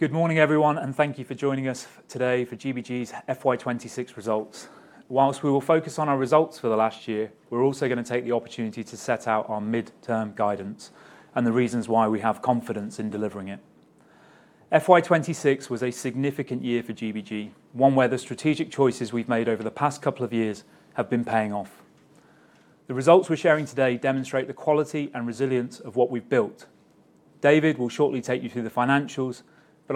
Good morning, everyone, and thank you for joining us today for GBG's FY 2026 results. Whilst we will focus on our results for the last year, we're also going to take the opportunity to set out our midterm guidance and the reasons why we have confidence in delivering it. FY 2026 was a significant year for GBG, one where the strategic choices we've made over the past couple of years have been paying off. The results we're sharing today demonstrate the quality and resilience of what we've built. David will shortly take you through the financials.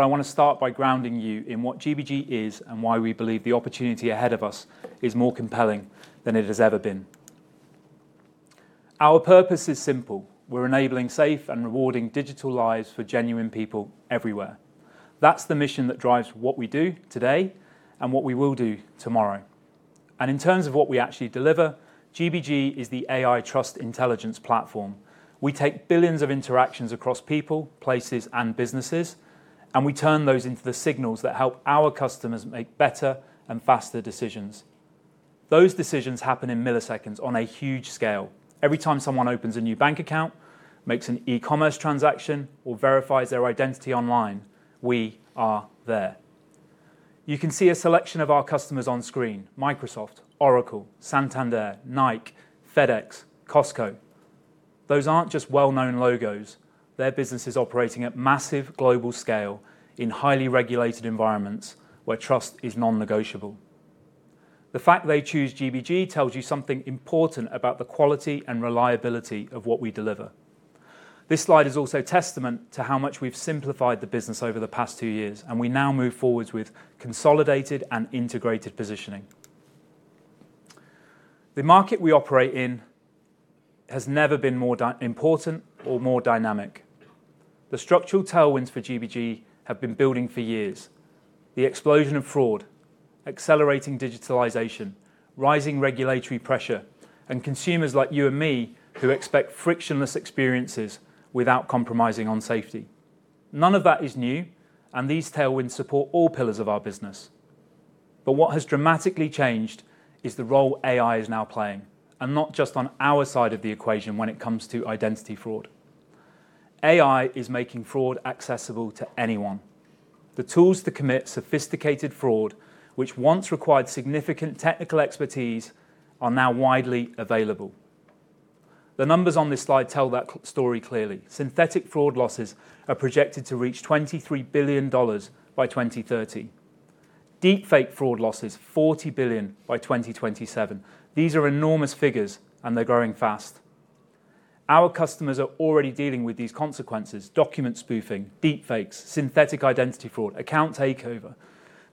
I want to start by grounding you in what GBG is and why we believe the opportunity ahead of us is more compelling than it has ever been. Our purpose is simple. We're enabling safe and rewarding digital lives for genuine people everywhere. That's the mission that drives what we do today and what we will do tomorrow. In terms of what we actually deliver, GBG is the AI trust intelligence platform. We take billions of interactions across people, places, and businesses, we turn those into the signals that help our customers make better and faster decisions. Those decisions happen in milliseconds on a huge scale. Every time someone opens a new bank account, makes an e-commerce transaction, or verifies their identity online, we are there. You can see a selection of our customers on screen. Microsoft, Oracle, Santander, Nike, FedEx, Costco. Those aren't just well-known logos. They're businesses operating at massive global scale in highly regulated environments where trust is non-negotiable. The fact they choose GBG tells you something important about the quality and reliability of what we deliver. This slide is also testament to how much we've simplified the business over the past two years, and we now move forwards with consolidated and integrated positioning. The market we operate in has never been more important or more dynamic. The structural tailwinds for GBG have been building for years. The explosion of fraud, accelerating digitalization, rising regulatory pressure, and consumers like you and me who expect frictionless experiences without compromising on safety. None of that is new, and these tailwinds support all pillars of our business. What has dramatically changed is the role AI is now playing, and not just on our side of the equation when it comes to identity fraud. AI is making fraud accessible to anyone. The tools to commit sophisticated fraud, which once required significant technical expertise, are now widely available. The numbers on this slide tell that story clearly. Synthetic fraud losses are projected to reach $23 billion by 2030. Deepfake fraud losses, $40 billion by 2027. These are enormous figures, and they're growing fast. Our customers are already dealing with these consequences. Document spoofing, deepfakes, synthetic identity fraud, account takeover.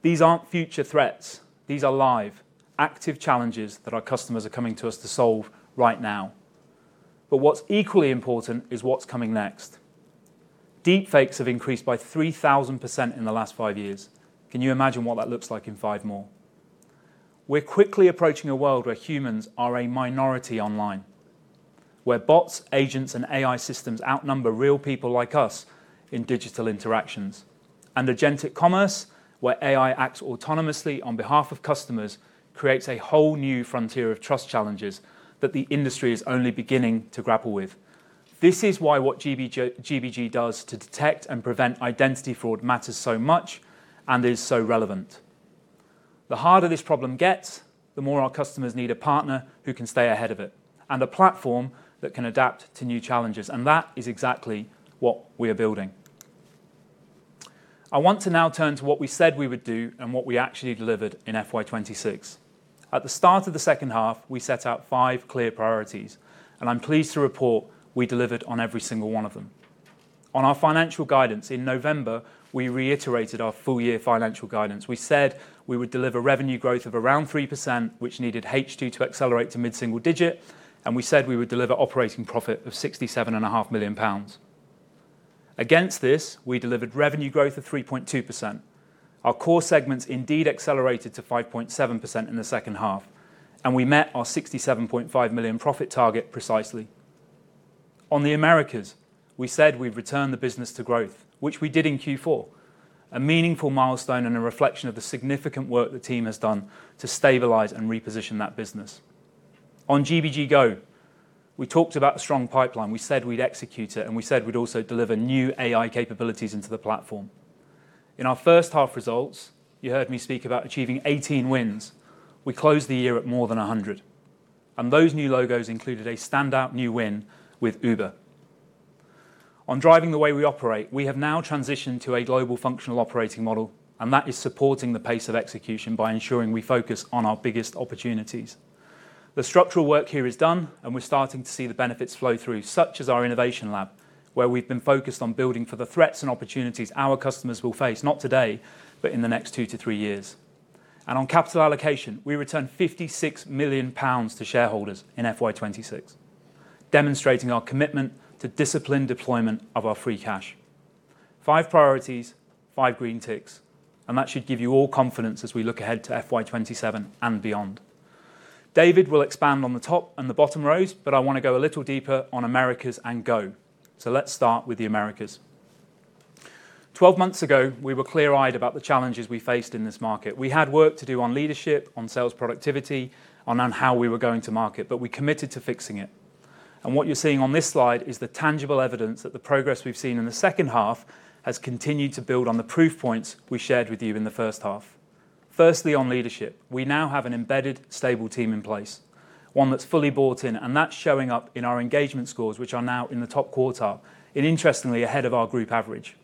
These aren't future threats. These are live, active challenges that our customers are coming to us to solve right now. What's equally important is what's coming next. Deepfakes have increased by 3,000% in the last five years. Can you imagine what that looks like in five more? We're quickly approaching a world where humans are a minority online, where bots, agents, and AI systems outnumber real people like us in digital interactions. Agentic commerce, where AI acts autonomously on behalf of customers, creates a whole new frontier of trust challenges that the industry is only beginning to grapple with. This is why what GBG does to detect and prevent identity fraud matters so much and is so relevant. The harder this problem gets, the more our customers need a partner who can stay ahead of it, and a platform that can adapt to new challenges. That is exactly what we are building. I want to now turn to what we said we would do and what we actually delivered in FY 2026. At the start of the second half, we set out five clear priorities. I'm pleased to report we delivered on every single one of them. On our financial guidance in November, we reiterated our full year financial guidance. We said we would deliver revenue growth of around 3%, which needed H2 to accelerate to mid-single digit. We said we would deliver operating profit of 67.5 million pounds. Against this, we delivered revenue growth of 3.2%. Our core segments indeed accelerated to 5.7% in the second half, and we met our 67.5 million profit target precisely. On the Americas, we said we'd return the business to growth, which we did in Q4. A meaningful milestone and a reflection of the significant work the team has done to stabilize and reposition that business. On GBG Go, we talked about a strong pipeline. We said we'd execute it, and we said we'd also deliver new AI capabilities into the platform. In our first half results, you heard me speak about achieving 18 wins. We closed the year at more than 100, and those new logos included a standout new win with Uber. On driving the way we operate, we have now transitioned to a global functional operating model, and that is supporting the pace of execution by ensuring we focus on our biggest opportunities. The structural work here is done, and we're starting to see the benefits flow through, such as our innovation lab, where we've been focused on building for the threats and opportunities our customers will face, not today, but in the next two to three years. On capital allocation, we returned 56 million pounds to shareholders in FY 2026, demonstrating our commitment to disciplined deployment of our free cash. Five priorities, five green ticks, that should give you all confidence as we look ahead to FY 2027 and beyond. David will expand on the top and the bottom rows, but I want to go a little deeper on Americas and Go. Let's start with the Americas. 12 months ago, we were clear-eyed about the challenges we faced in this market. We had work to do on leadership, on sales productivity, and on how we were going to market, but we committed to fixing it. What you're seeing on this slide is the tangible evidence that the progress we've seen in the second half has continued to build on the proof points we shared with you in the first half. Firstly, on leadership, we now have an embedded, stable team in place, one that's fully bought in, and that's showing up in our engagement scores, which are now in the top quarter, and interestingly, ahead of our group average.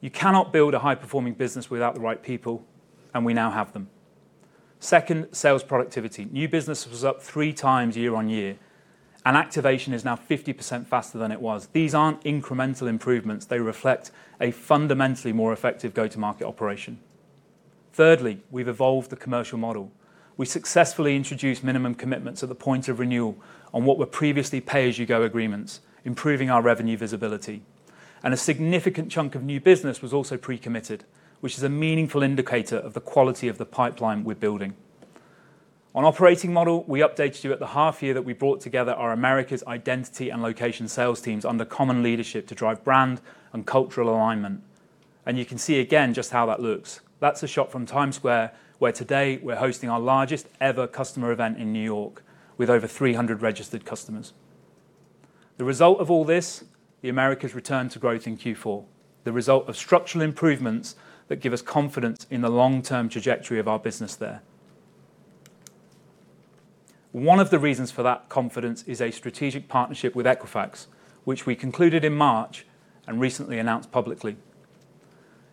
You cannot build a high-performing business without the right people, and we now have them. Second, sales productivity. New business was up three times year-on-year, and activation is now 50% faster than it was. These aren't incremental improvements. They reflect a fundamentally more effective go-to-market operation. Thirdly, we've evolved the commercial model. We successfully introduced minimum commitments at the point of renewal on what were previously pay-as-you-go agreements, improving our revenue visibility. A significant chunk of new business was also pre-committed, which is a meaningful indicator of the quality of the pipeline we're building. On operating model, we updated you at the half year that we brought together our Americas identity and location sales teams under common leadership to drive brand and cultural alignment. You can see again just how that looks. That's a shot from Times Square, where today we're hosting our largest ever customer event in New York with over 300 registered customers. The result of all this, the Americas' return to growth in Q4, the result of structural improvements that give us confidence in the long-term trajectory of our business there. One of the reasons for that confidence is a strategic partnership with Equifax, which we concluded in March and recently announced publicly.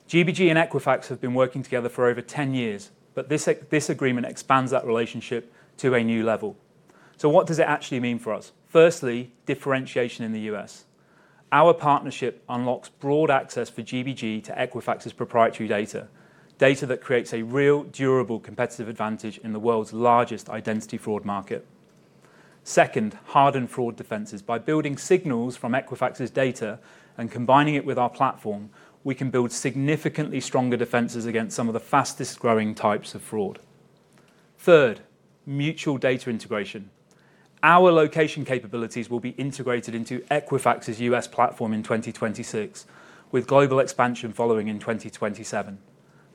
GBG and Equifax have been working together for over 10 years, this agreement expands that relationship to a new level. What does it actually mean for us? Firstly, differentiation in the U.S. Our partnership unlocks broad access for GBG to Equifax's proprietary data that creates a real, durable, competitive advantage in the world's largest identity fraud market. Second, hardened fraud defenses. By building signals from Equifax's data and combining it with our platform, we can build significantly stronger defenses against some of the fastest-growing types of fraud. Third, mutual data integration. Our location capabilities will be integrated into Equifax's U.S. platform in 2026, with global expansion following in 2027.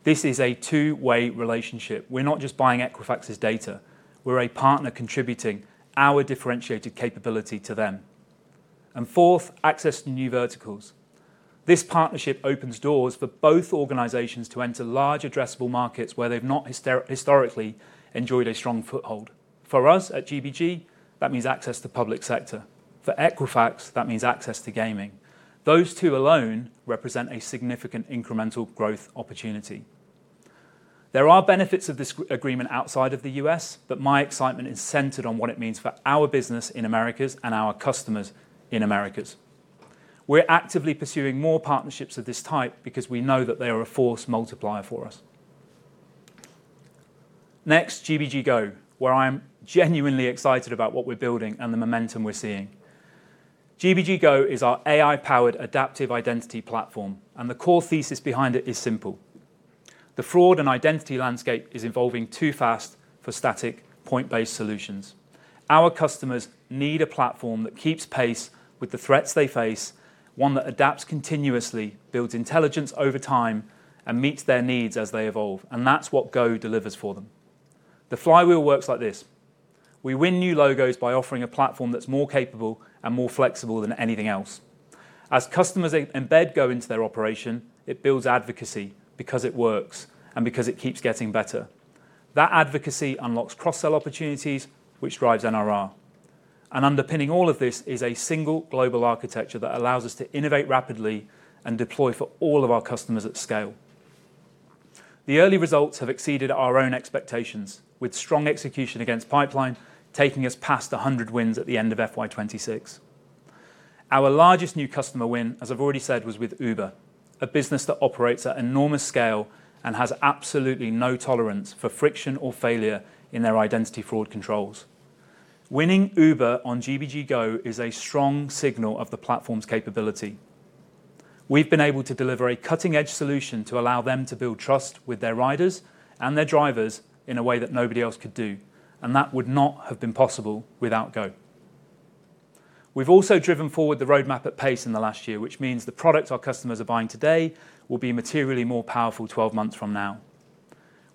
This is a two-way relationship. We're not just buying Equifax's data. We're a partner contributing our differentiated capability to them. Fourth, access to new verticals. This partnership opens doors for both organizations to enter large addressable markets where they've not historically enjoyed a strong foothold. For us at GBG, that means access to public sector. For Equifax, that means access to gaming. Those two alone represent a significant incremental growth opportunity. There are benefits of this agreement outside of the U.S., but my excitement is centered on what it means for our business in Americas and our customers in Americas. We're actively pursuing more partnerships of this type because we know that they are a force multiplier for us. Next, GBG Go, where I am genuinely excited about what we're building and the momentum we're seeing. GBG Go is our AI-powered adaptive identity platform, and the core thesis behind it is simple. The fraud and identity landscape is evolving too fast for static point-based solutions. Our customers need a platform that keeps pace with the threats they face, one that adapts continuously, builds intelligence over time, and meets their needs as they evolve. That's what GBG Go delivers for them. The flywheel works like this. We win new logos by offering a platform that's more capable and more flexible than anything else. As customers embed GBG Go into their operation, it builds advocacy because it works and because it keeps getting better. That advocacy unlocks cross-sell opportunities, which drives NRR. Underpinning all of this is a single global architecture that allows us to innovate rapidly and deploy for all of our customers at scale. The early results have exceeded our own expectations, with strong execution against pipeline taking us past 100 wins at the end of FY 2026. Our largest new customer win, as I've already said, was with Uber, a business that operates at enormous scale and has absolutely no tolerance for friction or failure in their identity fraud controls. Winning Uber on GBG Go is a strong signal of the platform's capability. We've been able to deliver a cutting-edge solution to allow them to build trust with their riders and their drivers in a way that nobody else could do, and that would not have been possible without Go. We've also driven forward the roadmap at pace in the last year, which means the product our customers are buying today will be materially more powerful 12 months from now.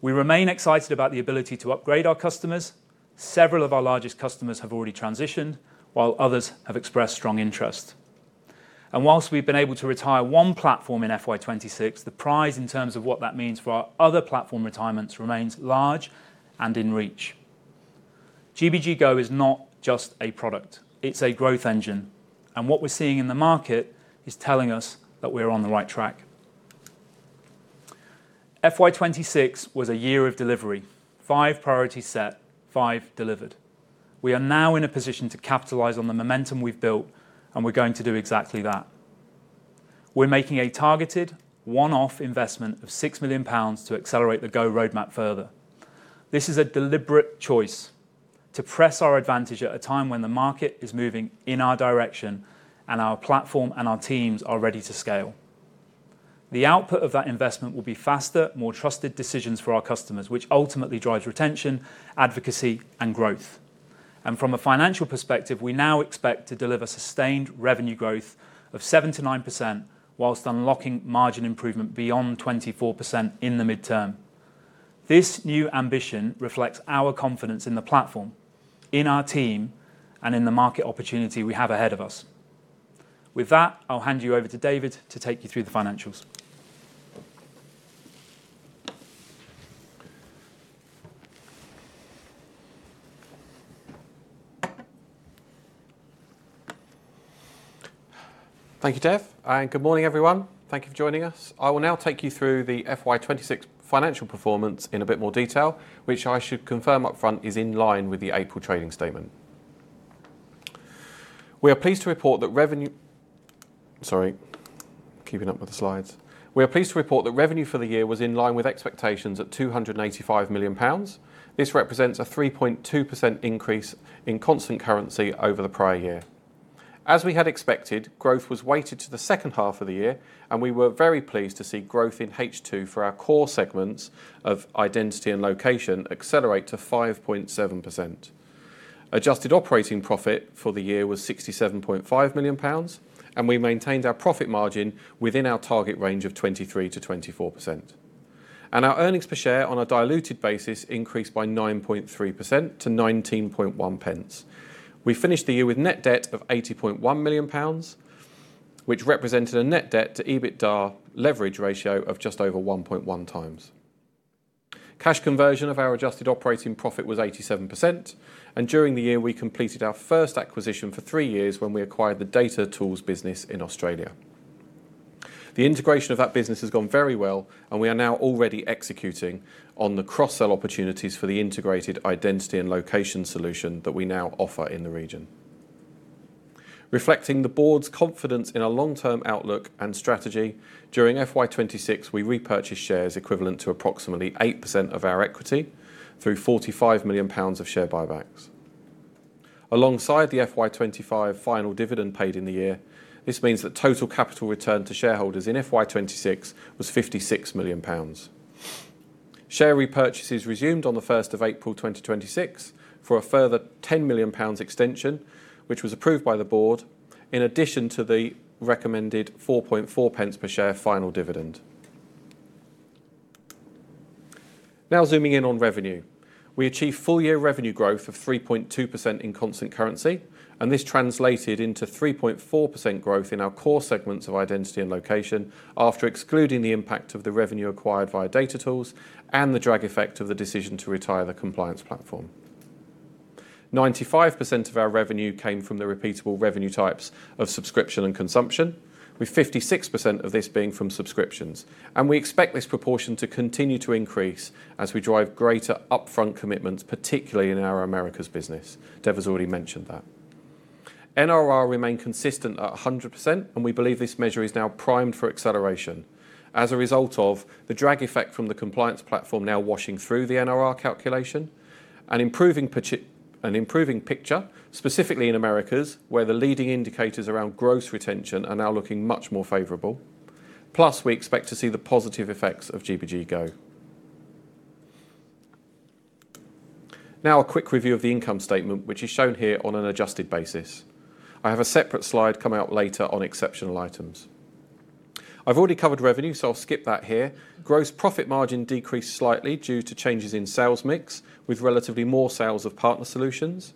We remain excited about the ability to upgrade our customers. Several of our largest customers have already transitioned, while others have expressed strong interest. Whilst we've been able to retire one platform in FY 2026, the prize in terms of what that means for our other platform retirements remains large and in reach. GBG Go is not just a product. It's a growth engine, and what we're seeing in the market is telling us that we're on the right track. FY 2026 was a year of delivery. Five priorities set, five delivered. We are now in a position to capitalize on the momentum we've built, and we're going to do exactly that. We're making a targeted one-off investment of 6 million pounds to accelerate the Go roadmap further. This is a deliberate choice to press our advantage at a time when the market is moving in our direction and our platform and our teams are ready to scale. The output of that investment will be faster, more trusted decisions for our customers, which ultimately drives retention, advocacy, and growth. From a financial perspective, we now expect to deliver sustained revenue growth of 7%-9% whilst unlocking margin improvement beyond 24% in the midterm. This new ambition reflects our confidence in the platform, in our team, and in the market opportunity we have ahead of us. With that, I'll hand you over to David to take you through the financials. Thank you, Dev. Good morning, everyone. Thank you for joining us. I will now take you through the FY 2026 financial performance in a bit more detail, which I should confirm upfront is in line with the April trading statement. We are pleased to report that revenue. Sorry. Keeping up with the slides. We are pleased to report that revenue for the year was in line with expectations at 285 million pounds. This represents a 3.2% increase in constant currency over the prior year. As we had expected, growth was weighted to the second half of the year, and we were very pleased to see growth in H2 for our core segments of identity and location accelerate to 5.7%. Adjusted operating profit for the year was 67.5 million pounds, and we maintained our profit margin within our target range of 23%-24%. Our earnings per share on a diluted basis increased by 9.3% to 0.191. We finished the year with net debt of 80.1 million pounds, which represented a net debt to EBITDA leverage ratio of just over 1.1 times. Cash conversion of our adjusted operating profit was 87%, and during the year, we completed our first acquisition for three years when we acquired the DataTools business in Australia. The integration of that business has gone very well, and we are now already executing on the cross-sell opportunities for the integrated identity and location solution that we now offer in the region. Reflecting the board's confidence in our long-term outlook and strategy, during FY 2026, we repurchased shares equivalent to approximately 8% of our equity through 45 million pounds of share buybacks. Alongside the FY 2025 final dividend paid in the year, this means that total capital return to shareholders in FY 2026 was 56 million pounds. Share repurchases resumed on the 1st of April 2026 for a further 10 million pounds extension, which was approved by the board in addition to the recommended 0.044 per share final dividend. Zooming in on revenue. We achieved full-year revenue growth of 3.2% in constant currency, and this translated into 3.4% growth in our core segments of identity and location after excluding the impact of the revenue acquired via DataTools and the drag effect of the decision to retire the compliance platform. 95% of our revenue came from the repeatable revenue types of subscription and consumption, with 56% of this being from subscriptions. We expect this proportion to continue to increase as we drive greater upfront commitments, particularly in our Americas business. Dev has already mentioned that. NRR remained consistent at 100%. We believe this measure is now primed for acceleration as a result of the drag effect from the compliance platform now washing through the NRR calculation and improving picture, specifically in Americas, where the leading indicators around gross retention are now looking much more favorable. We expect to see the positive effects of GBG Go. A quick review of the income statement, which is shown here on an adjusted basis. I have a separate slide coming up later on exceptional items. I've already covered revenue, I'll skip that here. Gross profit margin decreased slightly due to changes in sales mix, with relatively more sales of partner solutions.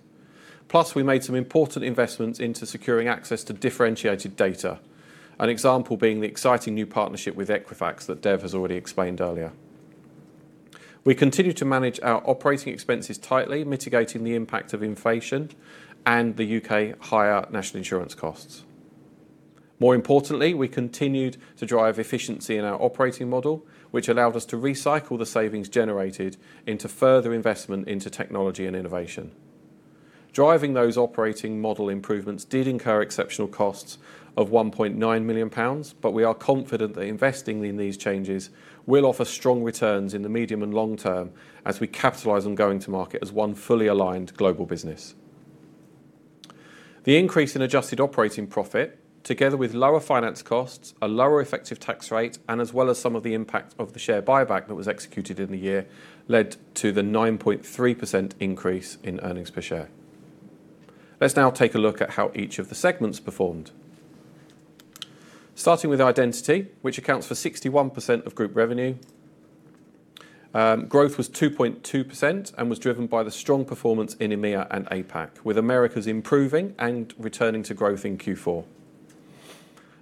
We made some important investments into securing access to differentiated data, an example being the exciting new partnership with Equifax that Dev has already explained earlier. We continue to manage our operating expenses tightly, mitigating the impact of inflation and the U.K. higher national insurance costs. More importantly, we continued to drive efficiency in our operating model, which allowed us to recycle the savings generated into further investment into technology and innovation. Driving those operating model improvements did incur exceptional costs of 1.9 million pounds, we are confident that investing in these changes will offer strong returns in the medium and long term as we capitalize on going to market as one fully aligned global business. The increase in adjusted operating profit, together with lower finance costs, a lower effective tax rate, and as well as some of the impact of the share buyback that was executed in the year, led to the 9.3% increase in earnings per share. Let's now take a look at how each of the segments performed. Starting with identity, which accounts for 61% of group revenue, growth was 2.2% and was driven by the strong performance in EMEA and APAC, with Americas improving and returning to growth in Q4.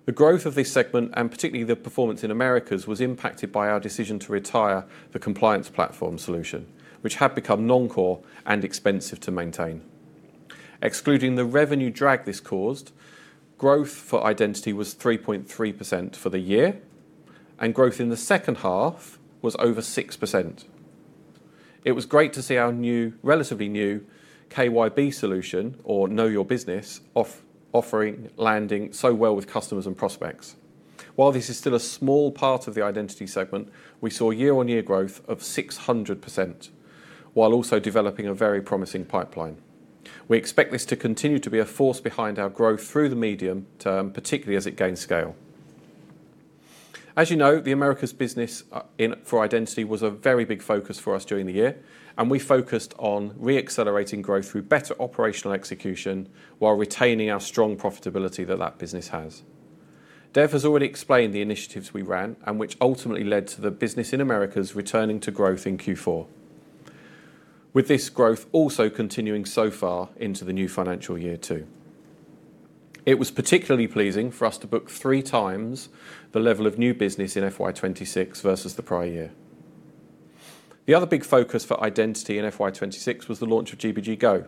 The growth of this segment, and particularly the performance in Americas, was impacted by our decision to retire the compliance platform solution, which had become non-core and expensive to maintain. Excluding the revenue drag this caused, growth for identity was 3.3% for the year, and growth in the second half was over 6%. It was great to see our relatively new KYB solution, or know your business, offering landing so well with customers and prospects. While this is still a small part of the identity segment, we saw year-on-year growth of 600%, while also developing a very promising pipeline. We expect this to continue to be a force behind our growth through the medium term, particularly as it gains scale. As you know, the Americas business for identity was a very big focus for us during the year, and we focused on re-accelerating growth through better operational execution while retaining our strong profitability that that business has. Dev has already explained the initiatives we ran and which ultimately led to the business in Americas returning to growth in Q4. With this growth also continuing so far into the new financial year, too. It was particularly pleasing for us to book three times the level of new business in FY 2026 versus the prior year. The other big focus for identity in FY 2026 was the launch of GBG Go,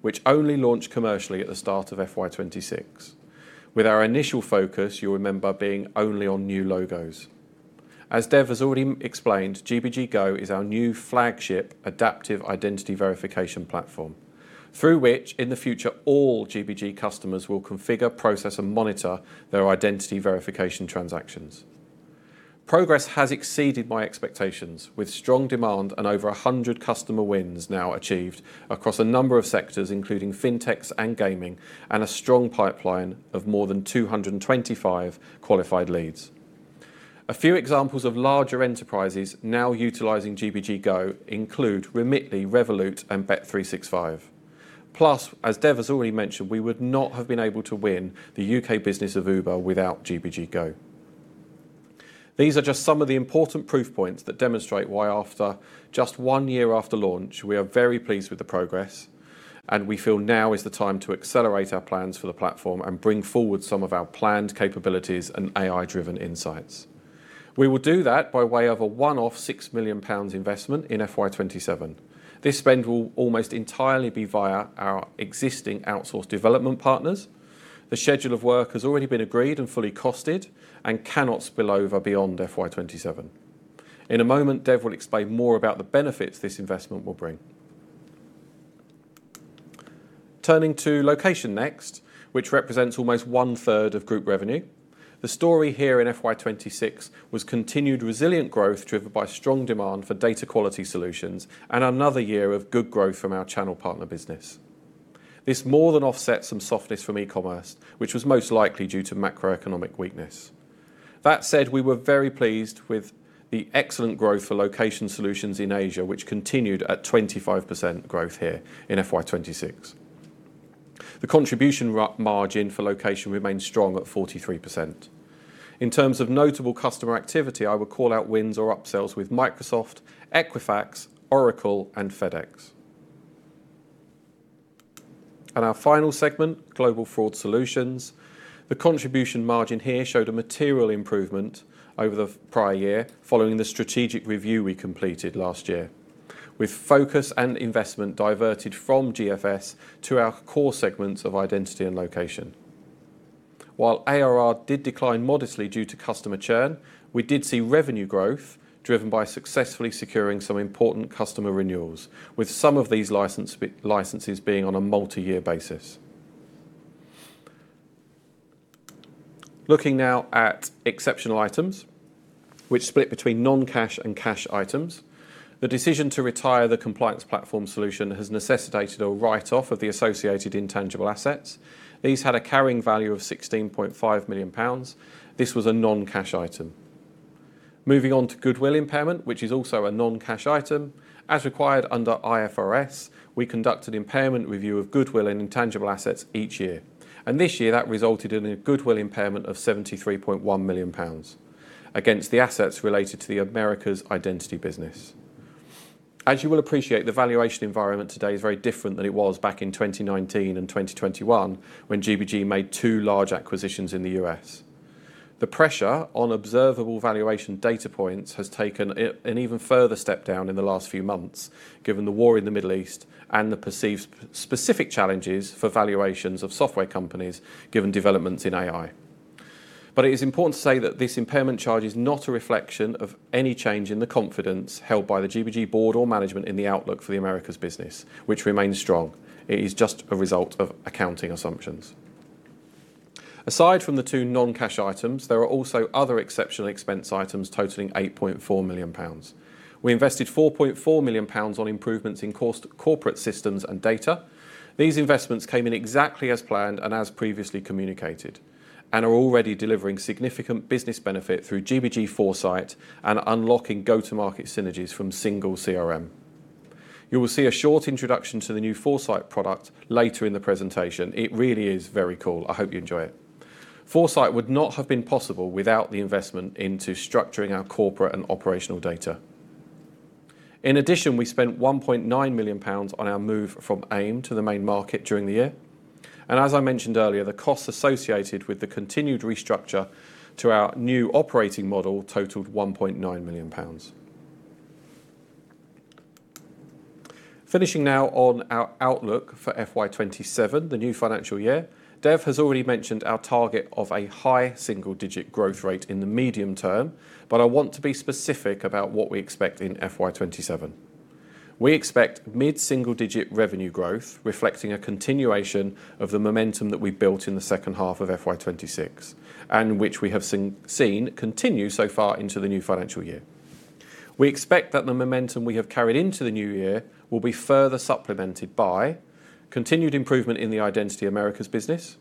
which only launched commercially at the start of FY 2026. With our initial focus, you'll remember, being only on new logos. As Dev has already explained, GBG Go is our new flagship adaptive identity verification platform, through which, in the future, all GBG customers will configure, process, and monitor their identity verification transactions. Progress has exceeded my expectations, with strong demand and over 100 customer wins now achieved across a number of sectors, including fintechs and gaming, and a strong pipeline of more than 225 qualified leads. A few examples of larger enterprises now utilizing GBG Go include Remitly, Revolut, and bet365. As Dev has already mentioned, we would not have been able to win the U.K. business of Uber without GBG Go. These are just some of the important proof points that demonstrate why after just one year after launch, we are very pleased with the progress, and we feel now is the time to accelerate our plans for the platform and bring forward some of our planned capabilities and AI-driven insights. We will do that by way of a one-off 6 million pounds investment in FY 2027. This spend will almost entirely be via our existing outsourced development partners. The schedule of work has already been agreed and fully costed and cannot spill over beyond FY 2027. In a moment, Dev will explain more about the benefits this investment will bring. Turning to location next, which represents almost one-third of group revenue. The story here in FY 2026 was continued resilient growth driven by strong demand for data quality solutions and another year of good growth from our channel partner business. This more than offsets some softness from e-commerce, which was most likely due to macroeconomic weakness. We were very pleased with the excellent growth for location solutions in Asia, which continued at 25% growth here in FY 2026. The contribution margin for location remains strong at 43%. In terms of notable customer activity, I would call out wins or upsells with Microsoft, Equifax, Oracle, and FedEx. Our final segment, Global Fraud Solutions. The contribution margin here showed a material improvement over the prior year following the strategic review we completed last year, with focus and investment diverted from GFS to our core segments of identity and location. While ARR did decline modestly due to customer churn, we did see revenue growth driven by successfully securing some important customer renewals, with some of these licenses being on a multi-year basis. Looking now at exceptional items, which split between non-cash and cash items. The decision to retire the compliance platform solution has necessitated a write-off of the associated intangible assets. These had a carrying value of 16.5 million pounds. This was a non-cash item. Moving on to goodwill impairment, which is also a non-cash item. As required under IFRS, we conduct an impairment review of goodwill and intangible assets each year. This year that resulted in a goodwill impairment of 73.1 million pounds against the assets related to the Americas identity business. As you will appreciate, the valuation environment today is very different than it was back in 2019 and 2021 when GBG made two large acquisitions in the U.S. The pressure on observable valuation data points has taken an even further step down in the last few months, given the war in the Middle East and the perceived specific challenges for valuations of software companies, given developments in AI. It is important to say that this impairment charge is not a reflection of any change in the confidence held by the GBG board or management in the outlook for the Americas business, which remains strong. It is just a result of accounting assumptions. Aside from the two non-cash items, there are also other exceptional expense items totaling 8.4 million pounds. We invested 4.4 million pounds on improvements in corporate systems and data. These investments came in exactly as planned and as previously communicated and are already delivering significant business benefit through GBG Foresight and unlocking go-to-market synergies from single CRM. You will see a short introduction to the new Foresight product later in the presentation. It really is very cool. I hope you enjoy it. Foresight would not have been possible without the investment into structuring our corporate and operational data. We spent 1.9 million pounds on our move from AIM to the main market during the year. As I mentioned earlier, the costs associated with the continued restructure to our new operating model totaled 1.9 million pounds. Finishing now on our outlook for FY 2027, the new financial year. Dev has already mentioned our target of a high single-digit growth rate in the medium term, but I want to be specific about what we expect in FY 2027. We expect mid-single-digit revenue growth, reflecting a continuation of the momentum that we built in the second half of FY 2026, and which we have seen continue so far into the new financial year. We expect that the momentum we have carried into the new year will be further supplemented by continued improvement in the identity Americas business,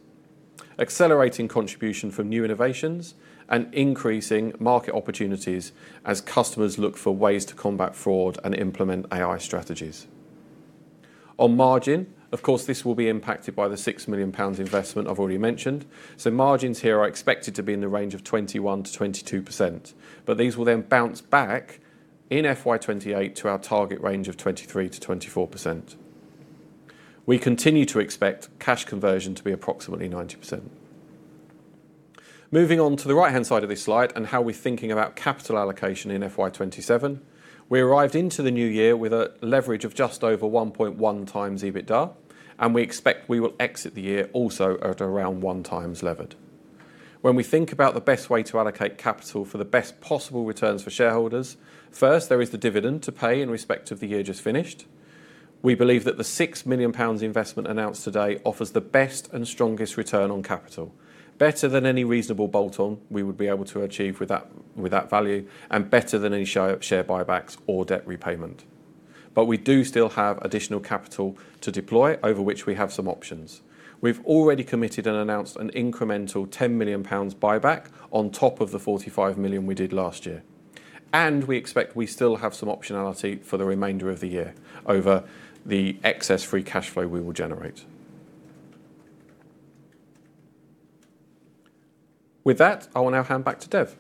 accelerating contribution from new innovations, and increasing market opportunities as customers look for ways to combat fraud and implement AI strategies. On margin, of course, this will be impacted by the 6 million pounds investment I've already mentioned. Margins here are expected to be in the range of 21%-22%, but these will then bounce back in FY 2028 to our target range of 23%-24%. We continue to expect cash conversion to be approximately 90%. Moving on to the right-hand side of this slide and how we're thinking about capital allocation in FY 2027. We arrived into the new year with a leverage of just over 1.1 times EBITDA, and we expect we will exit the year also at around one times levered. When we think about the best way to allocate capital for the best possible returns for shareholders, first, there is the dividend to pay in respect of the year just finished. We believe that the 6 million pounds investment announced today offers the best and strongest return on capital. Better than any reasonable bolt-on we would be able to achieve with that value, and better than any share buybacks or debt repayment. We do still have additional capital to deploy, over which we have some options. We've already committed and announced an incremental 10 million pounds buyback on top of the 45 million we did last year, and we expect we still have some optionality for the remainder of the year over the excess free cash flow we will generate. With that, I will now hand back to Dev.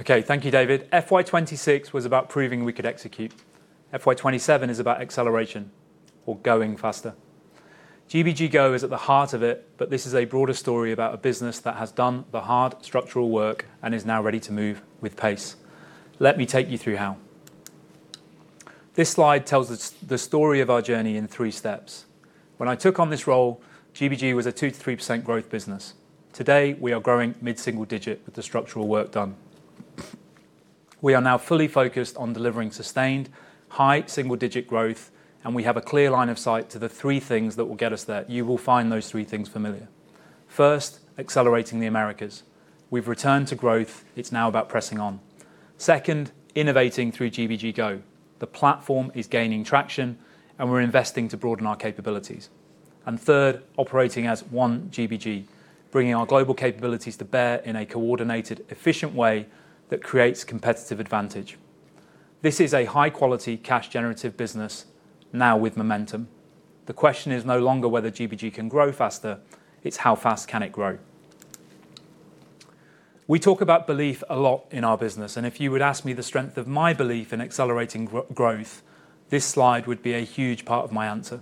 Okay. Thank you, David. FY 2026 was about proving we could execute. FY 2027 is about acceleration or going faster. GBG Go is at the heart of it, this is a broader story about a business that has done the hard structural work and is now ready to move with pace. Let me take you through how. This slide tells the story of our journey in three steps. When I took on this role, GBG was a 2%-3% growth business. Today, we are growing mid-single digit with the structural work done. We are now fully focused on delivering sustained high single-digit growth, we have a clear line of sight to the three things that will get us there. You will find those three things familiar. First, accelerating the Americas. We've returned to growth, it's now about pressing on. Second, innovating through GBG Go. The platform is gaining traction and we're investing to broaden our capabilities. Third, operating as one GBG, bringing our global capabilities to bear in a coordinated, efficient way that creates competitive advantage. This is a high-quality, cash-generative business now with momentum. The question is no longer whether GBG can grow faster, it's how fast can it grow. We talk about belief a lot in our business, and if you would ask me the strength of my belief in accelerating growth, this slide would be a huge part of my answer.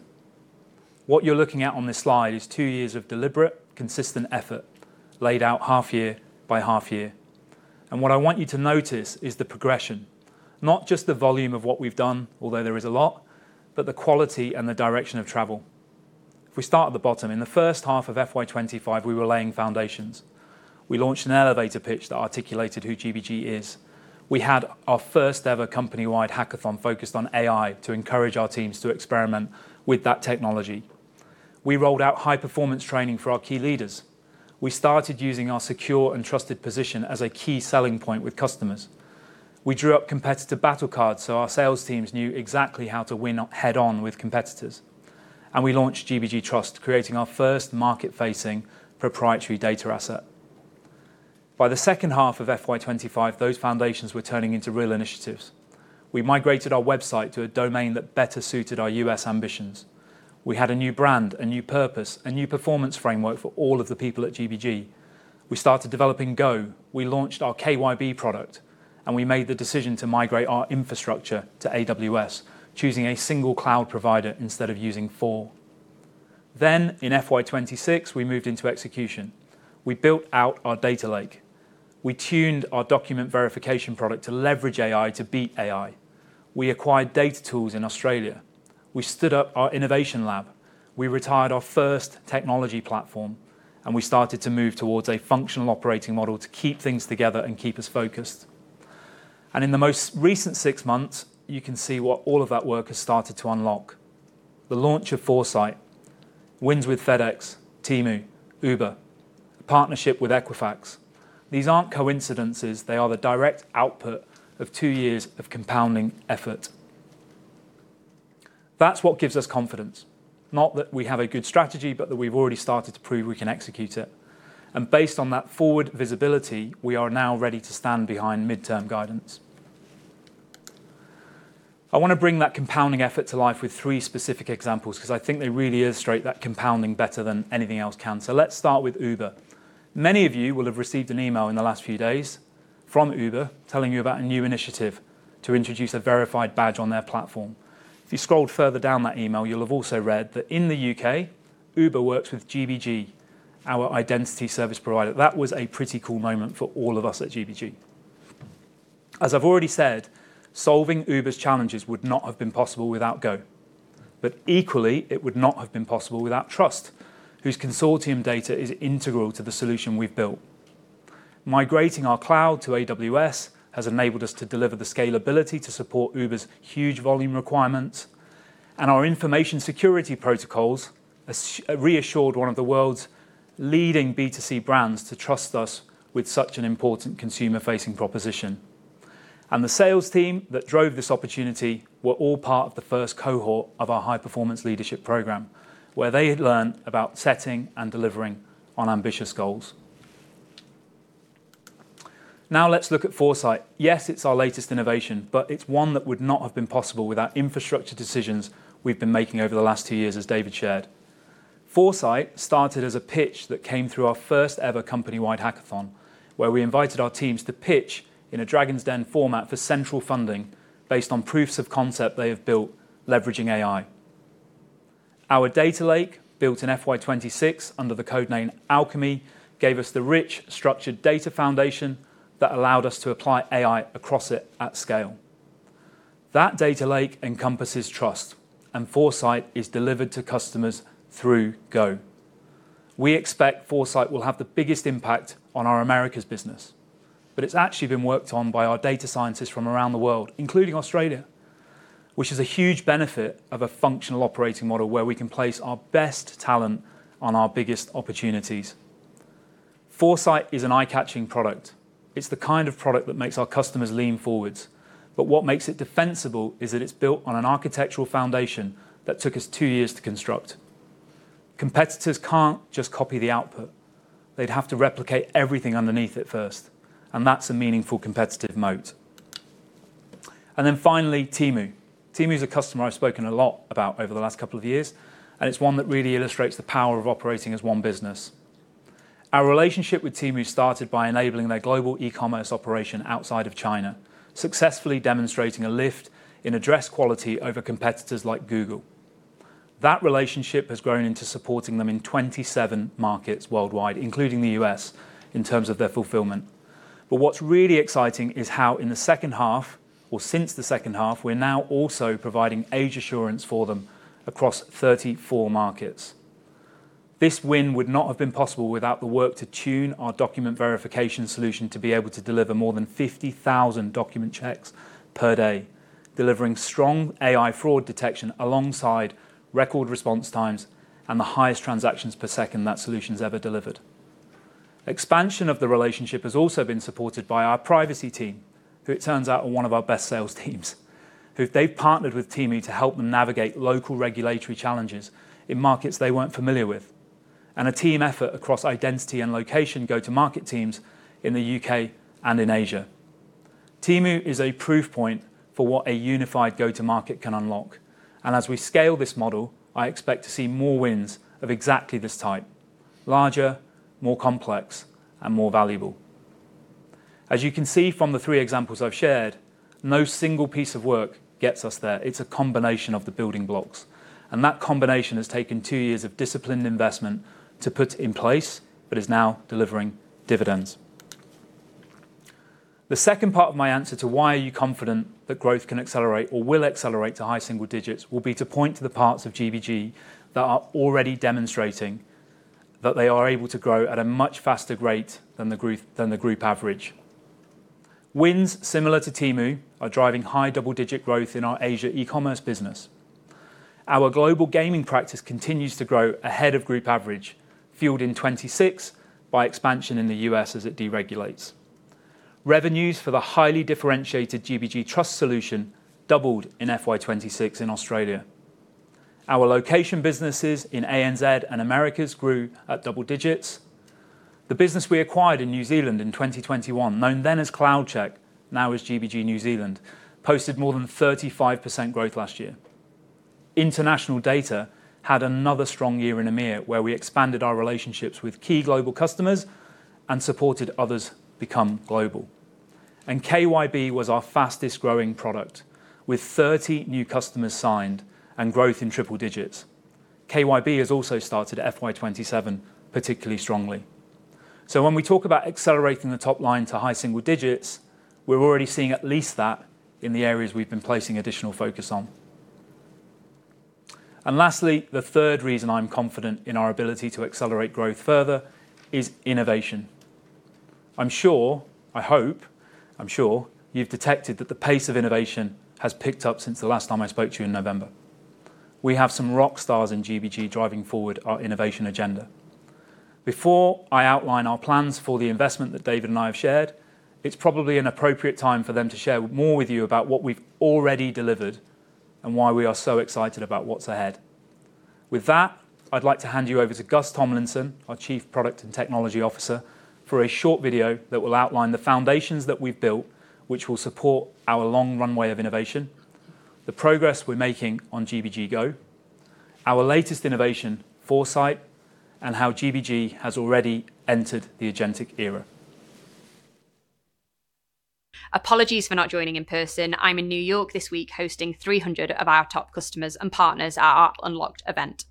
What you're looking at on this slide is two years of deliberate, consistent effort laid out half year by half year. What I want you to notice is the progression, not just the volume of what we've done, although there is a lot, but the quality and the direction of travel. If we start at the bottom, in the first half of FY 2025, we were laying foundations. We launched an elevator pitch that articulated who GBG is. We had our first ever company-wide hackathon focused on AI to encourage our teams to experiment with that technology. We rolled out high-performance training for our key leaders. We started using our secure and trusted position as a key selling point with customers. We drew up competitor battle cards so our sales teams knew exactly how to win head-on with competitors. We launched GBG Trust, creating our first market-facing proprietary data asset. By the second half of FY 2025, those foundations were turning into real initiatives. We migrated our website to a domain that better suited our U.S. ambitions. We had a new brand, a new purpose, a new performance framework for all of the people at GBG. We started developing Go, we launched our KYB product, we made the decision to migrate our infrastructure to AWS, choosing a single cloud provider instead of using four. In FY 2026, we moved into execution. We built out our data lake. We tuned our document verification product to leverage AI to beat AI. We acquired DataTools in Australia. We stood up our innovation lab. We retired our first technology platform, we started to move towards a functional operating model to keep things together and keep us focused. In the most recent six months, you can see what all of that work has started to unlock. The launch of Foresight, wins with FedEx, Temu, Uber, partnership with Equifax. These aren't coincidences. They are the direct output of two years of compounding effort. That's what gives us confidence. Not that we have a good strategy, but that we've already started to prove we can execute it. Based on that forward visibility, we are now ready to stand behind midterm guidance. I want to bring that compounding effort to life with three specific examples because I think they really illustrate that compounding better than anything else can. Let's start with Uber. Many of you will have received an email in the last few days from Uber telling you about a new initiative to introduce a verified badge on their platform. If you scrolled further down that email, you'll have also read that in the U.K., Uber works with GBG, our identity service provider. That was a pretty cool moment for all of us at GBG. As I've already said, solving Uber's challenges would not have been possible without Go. Equally, it would not have been possible without Trust, whose consortium data is integral to the solution we've built. Migrating our cloud to AWS has enabled us to deliver the scalability to support Uber's huge volume requirements, our information security protocols reassured one of the world's leading B2C brands to trust us with such an important consumer-facing proposition. The sales team that drove this opportunity were all part of the first cohort of our high-performance leadership program, where they learned about setting and delivering on ambitious goals. Let's look at Foresight. It's our latest innovation, but it's one that would not have been possible without infrastructure decisions we've been making over the last two years, as David shared. Foresight started as a pitch that came through our first ever company-wide hackathon, where we invited our teams to pitch in a Dragon's Den format for central funding based on proofs of concept they have built leveraging AI. Our data lake, built in FY 2026 under the code name Alchemy, gave us the rich, structured data foundation that allowed us to apply AI across it at scale. That data lake encompasses Trust, and Foresight is delivered to customers through Go. We expect Foresight will have the biggest impact on our Americas business, but it's actually been worked on by our data scientists from around the world, including Australia, which is a huge benefit of a functional operating model where we can place our best talent on our biggest opportunities. Foresight is an eye-catching product. It's the kind of product that makes our customers lean forwards. What makes it defensible is that it's built on an architectural foundation that took us two years to construct. Competitors can't just copy the output. They'd have to replicate everything underneath it first, and that's a meaningful competitive moat. Finally, Temu. Temu is a customer I've spoken a lot about over the last couple of years, and it's one that really illustrates the power of operating as one business. Our relationship with Temu started by enabling their global e-commerce operation outside of China, successfully demonstrating a lift in address quality over competitors like Google. That relationship has grown into supporting them in 27 markets worldwide, including the U.S., in terms of their fulfillment. What's really exciting is how in the second half, or since the second half, we're now also providing age assurance for them across 34 markets. This win would not have been possible without the work to tune our document verification solution to be able to deliver more than 50,000 document checks per day, delivering strong AI fraud detection alongside record response times and the highest transactions per second that solution's ever delivered. Expansion of the relationship has also been supported by our privacy team, who it turns out are one of our best sales teams, who they've partnered with Temu to help them navigate local regulatory challenges in markets they weren't familiar with, and a team effort across identity and location go-to-market teams in the U.K. and in Asia. As we scale this model, I expect to see more wins of exactly this type, larger, more complex, and more valuable. As you can see from the three examples I've shared, no single piece of work gets us there. It's a combination of the building blocks, and that combination has taken two years of disciplined investment to put in place but is now delivering dividends. The second part of my answer to why are you confident that growth can accelerate or will accelerate to high single digits will be to point to the parts of GBG that are already demonstrating that they are able to grow at a much faster rate than the group average. Wins similar to Temu are driving high double-digit growth in our Asia e-commerce business. Our global gaming practice continues to grow ahead of group average, fueled in 2026 by expansion in the U.S. as it deregulates. Revenues for the highly differentiated GBG Trust solution doubled in FY 2026 in Australia. Our location businesses in ANZ and Americas grew at double digits. The business we acquired in New Zealand in 2021, known then as Cloudcheck, now as GBG New Zealand, posted more than 35% growth last year. International data had another strong year in EMEA, where we expanded our relationships with key global customers and supported others become global. KYB was our fastest-growing product, with 30 new customers signed and growth in triple digits. KYB has also started FY 2027 particularly strongly. When we talk about accelerating the top line to high single digits, we're already seeing at least that in the areas we've been placing additional focus on. Lastly, the third reason I'm confident in our ability to accelerate growth further is innovation. I'm sure, I hope, I'm sure you've detected that the pace of innovation has picked up since the last time I spoke to you in November. We have some rock stars in GBG driving forward our innovation agenda. Before I outline our plans for the investment that David and I have shared, it's probably an appropriate time for them to share more with you about what we've already delivered and why we are so excited about what's ahead. With that, I'd like to hand you over to Gus Tomlinson, our Chief Product and Technology Officer, for a short video that will outline the foundations that we've built, which will support our long runway of innovation, the progress we're making on GBG Go, our latest innovation, Foresight, and how GBG has already entered the agentic era. Apologies for not joining in person. I'm in New York this week hosting 300 of our top customers and partners at our Unlocked event.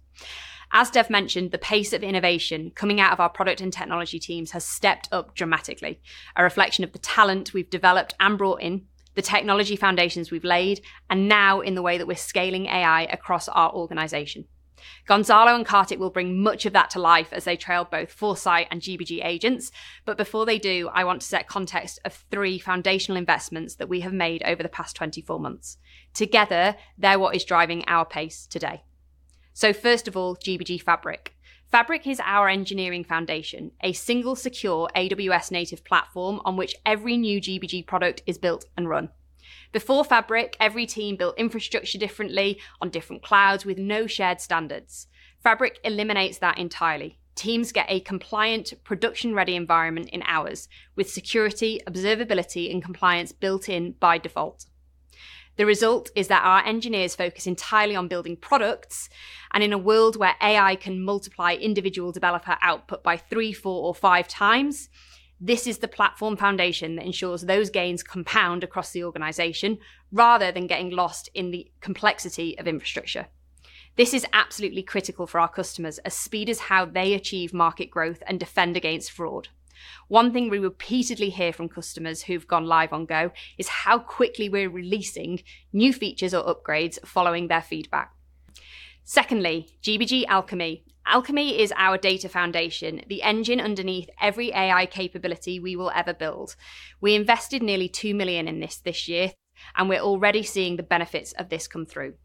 As Dev mentioned, the pace of innovation coming out of our product and technology teams has stepped up dramatically, a reflection of the talent we've developed and brought in, the technology foundations we've laid, and now in the way that we're scaling AI across our organization. Gonzalo and Kartik will bring much of that to life as they trail both Foresight and GBG Agents. Before they do, I want to set context of three foundational investments that we have made over the past 24 months. Together, they're what is driving our pace today. First of all, GBG Fabric. Fabric is our engineering foundation, a single, secure AWS-native platform on which every new GBG product is built and run. Before Fabric, every team built infrastructure differently on different clouds with no shared standards. Fabric eliminates that entirely. Teams get a compliant, production-ready environment in hours with security, observability, and compliance built in by default. The result is that our engineers focus entirely on building products, and in a world where AI can multiply individual developer output by three, four, or five times, this is the platform foundation that ensures those gains compound across the organization rather than getting lost in the complexity of infrastructure. This is absolutely critical for our customers, as speed is how they achieve market growth and defend against fraud. One thing we repeatedly hear from customers who've gone live on Go is how quickly we're releasing new features or upgrades following their feedback. Secondly, GBG Alchemy. Alchemy is our data foundation, the engine underneath every AI capability we will ever build. We invested nearly 2 million in this this year, and we're already seeing the benefits of this come through.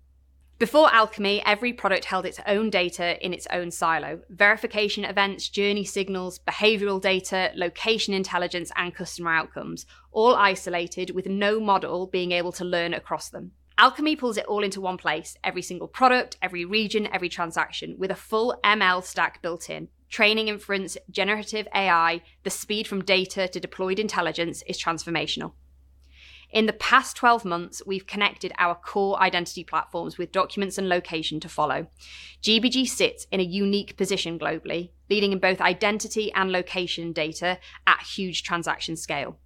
Before Alchemy, every product held its own data in its own silo. Verification events, journey signals, behavioral data, location intelligence, and customer outcomes, all isolated with no model being able to learn across them. Alchemy pulls it all into one place, every single product, every region, every transaction, with a full ML stack built in. Training inference, generative AI, the speed from data to deployed intelligence is transformational. In the past 12 months, we've connected our core identity platforms with documents and location to follow. GBG sits in a unique position globally, leading in both identity and location data at huge transaction scale.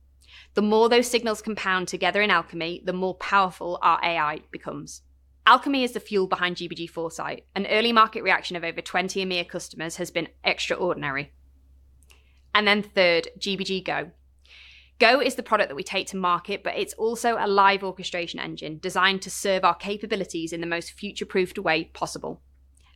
The more those signals compound together in Alchemy, the more powerful our AI becomes. Alchemy is the fuel behind GBG Foresight. An early market reaction of over 20 EMEA customers has been extraordinary. Third, GBG Go. Go is the product that we take to market, but it's also a live orchestration engine designed to serve our capabilities in the most future-proofed way possible.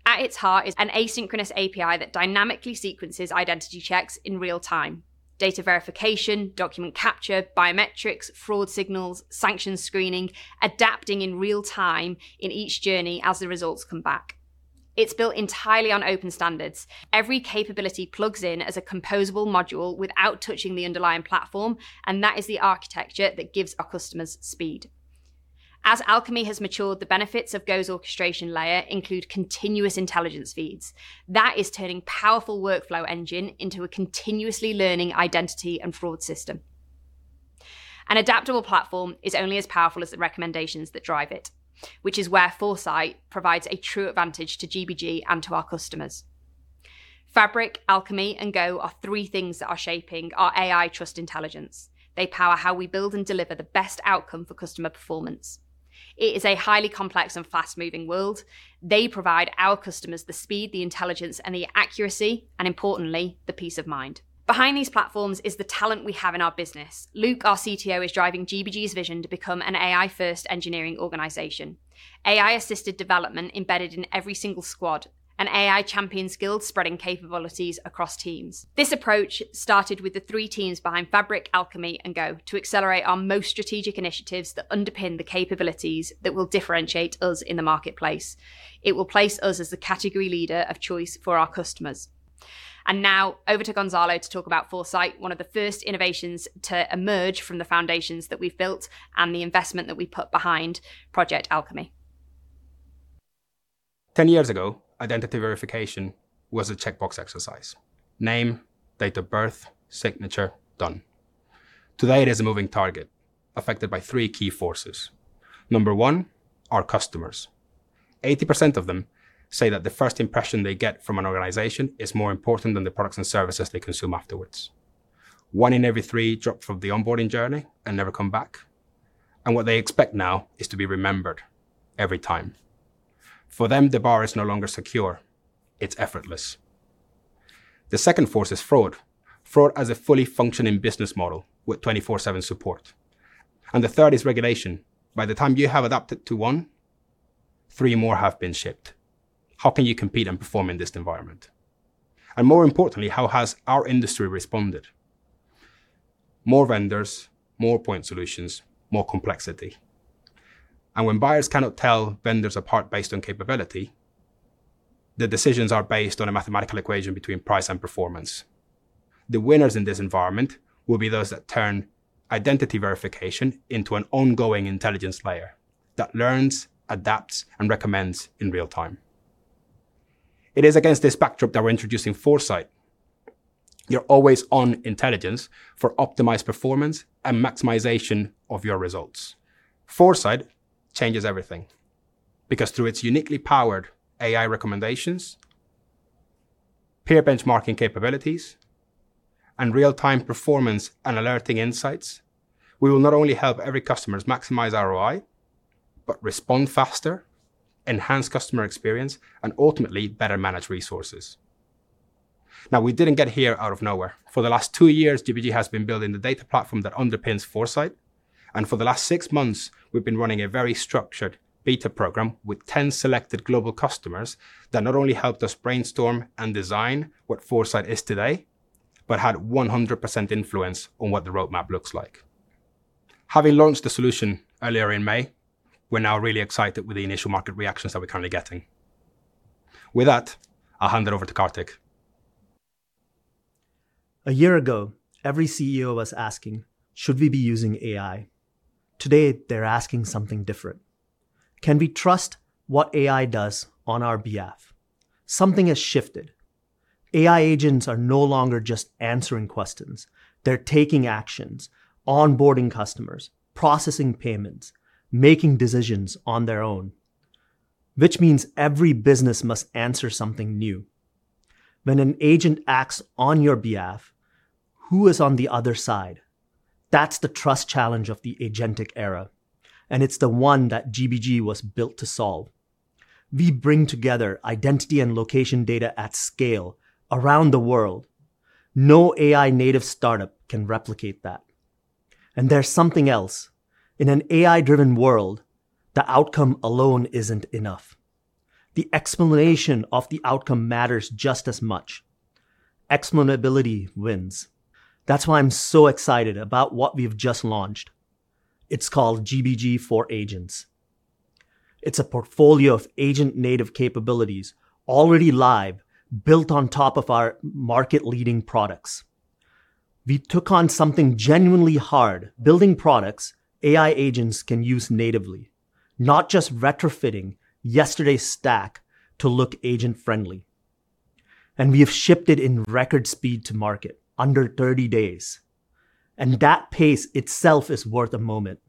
At its heart is an asynchronous API that dynamically sequences identity checks in real-time, data verification, document capture, biometrics, fraud signals, sanctions screening, adapting in real-time in each journey as the results come back. It's built entirely on open standards. Every capability plugs in as a composable module without touching the underlying platform. That is the architecture that gives our customers speed. As Alchemy has matured, the benefits of Go's orchestration layer include continuous intelligence feeds. That is turning powerful workflow engine into a continuously learning identity and fraud system. An adaptable platform is only as powerful as the recommendations that drive it, which is where Foresight provides a true advantage to GBG and to our customers. Fabric, Alchemy, and Go are three things that are shaping our AI trust intelligence. They power how we build and deliver the best outcome for customer performance. It is a highly complex and fast-moving world. They provide our customers the speed, the intelligence, and the accuracy, and importantly, the peace of mind. Behind these platforms is the talent we have in our business. Luuk, our CTO, is driving GBG's vision to become an AI-first engineering organization. AI-assisted development embedded in every single squad. An AI champion skill spreading capabilities across teams. This approach started with the three teams behind Fabric, Alchemy, and Go to accelerate our most strategic initiatives that underpin the capabilities that will differentiate us in the marketplace. It will place us as the category leader of choice for our customers. Now over to Gonzalo to talk about Foresight, one of the first innovations to emerge from the foundations that we've built and the investment that we put behind Project Alchemy. 10 years ago, identity verification was a checkbox exercise. Name, date of birth, signature, done. Today, it is a moving target affected by three key forces. Number one, our customers. 80% of them say that the first impression they get from an organization is more important than the products and services they consume afterwards. One in every three drop from the onboarding journey and never come back. What they expect now is to be remembered every time. For them, the bar is no longer secure. It's effortless. The second force is fraud as a fully functioning business model with 24/7 support. The third is regulation. By the time you have adapted to one, three more have been shipped. How can you compete and perform in this environment? More importantly, how has our industry responded? More vendors, more point solutions, more complexity. When buyers cannot tell vendors apart based on capability, the decisions are based on a mathematical equation between price and performance. The winners in this environment will be those that turn identity verification into an ongoing intelligence layer that learns, adapts, and recommends in real-time. It is against this backdrop that we're introducing Foresight, your always-on intelligence for optimized performance and maximization of your results. Foresight changes everything because through its uniquely powered AI recommendations, peer benchmarking capabilities, and real-time performance and alerting insights, we will not only help every customer maximize ROI, but respond faster, enhance customer experience, and ultimately better manage resources. We didn't get here out of nowhere. For the last two years, GBG has been building the data platform that underpins Foresight. For the last six months, we've been running a very structured beta program with 10 selected global customers that not only helped us brainstorm and design what Foresight is today, but had 100% influence on what the roadmap looks like. Having launched the solution earlier in May, we're now really excited with the initial market reactions that we're currently getting. With that, I'll hand it over to Kartik. A year ago, every CEO was asking, "Should we be using AI?" Today, they're asking something different. "Can we trust what AI does on our behalf?" Something has shifted. AI agents are no longer just answering questions. They're taking actions, onboarding customers, processing payments, making decisions on their own, which means every business must answer something new. When an agent acts on your behalf, who is on the other side? That's the trust challenge of the agentic era, and it's the one that GBG was built to solve. We bring together identity and location data at scale around the world. No AI-native startup can replicate that. There's something else. In an AI-driven world, the outcome alone isn't enough. The explanation of the outcome matters just as much. Explainability wins. That's why I'm so excited about what we've just launched. It's called GBG for Agents. It's a portfolio of agent-native capabilities already live, built on top of our market-leading products. We took on something genuinely hard, building products AI agents can use natively, not just retrofitting yesterday's stack to look agent-friendly. We have shifted in record speed to market, under 30 days, and that pace itself is worth a moment.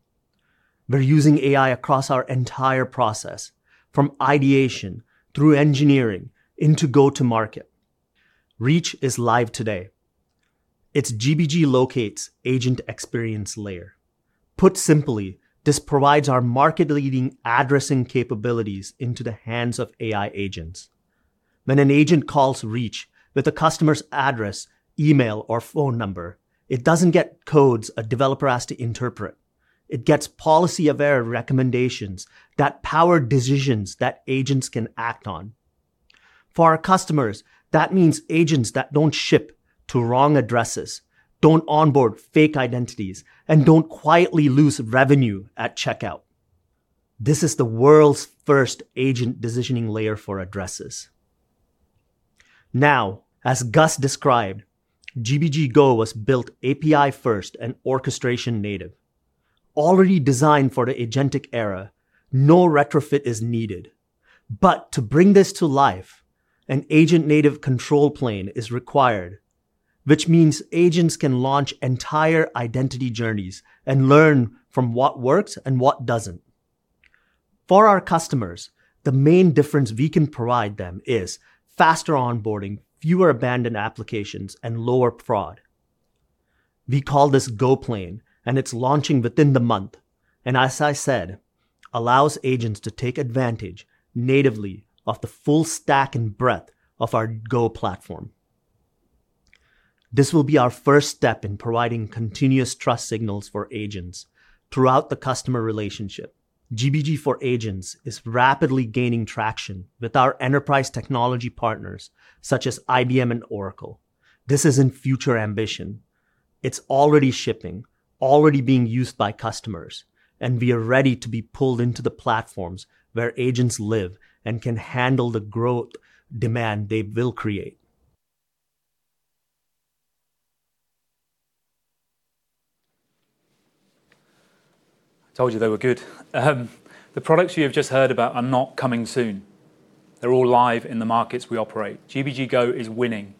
We're using AI across our entire process, from ideation through engineering into go to market. Reach is live today. It's GBG Locate's agent experience layer. Put simply, this provides our market-leading addressing capabilities into the hands of AI agents. When an agent calls Reach with a customer's address, email, or phone number, it doesn't get codes a developer has to interpret. It gets policy aware recommendations that power decisions that agents can act on. For our customers, that means agents that don't ship to wrong addresses, don't onboard fake identities, and don't quietly lose revenue at checkout. This is the world's first agent decisioning layer for addresses. As Gus described, GBG Go was built API first and orchestration native. Already designed for the agentic era, no retrofit is needed. To bring this to life, an agent native control plane is required, which means agents can launch entire identity journeys and learn from what works and what doesn't. For our customers, the main difference we can provide them is faster onboarding, fewer abandoned applications, and lower fraud. We call this GoPlane, it's launching within the month, as I said, allows agents to take advantage natively of the full stack and breadth of our Go platform. This will be our first step in providing continuous trust signals for agents throughout the customer relationship. GBG for Agents is rapidly gaining traction with our enterprise technology partners such as IBM and Oracle. This isn't future ambition. It's already shipping, already being used by customers, and we are ready to be pulled into the platforms where agents live and can handle the growth demand they will create. I told you they were good. The products you have just heard about are not coming soon. They're all live in the markets we operate. GBG Go is winning.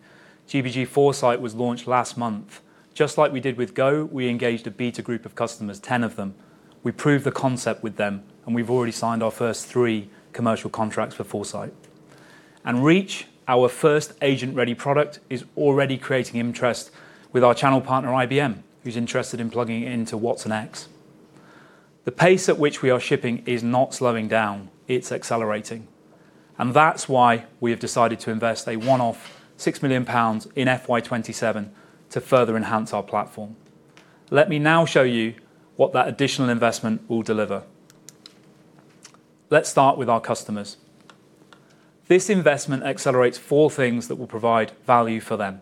GBG Foresight was launched last month. Just like we did with Go, we engaged a beta group of customers, 10 of them. We proved the concept with them, we've already signed our first three commercial contracts for Foresight. Reach, our first agent-ready product, is already creating interest with our channel partner, IBM, who's interested in plugging it into watsonx. The pace at which we are shipping is not slowing down. It's accelerating, that's why we have decided to invest a one-off 6 million pounds in FY 2027 to further enhance our platform. Let me now show you what that additional investment will deliver. Let's start with our customers. This investment accelerates four things that will provide value for them.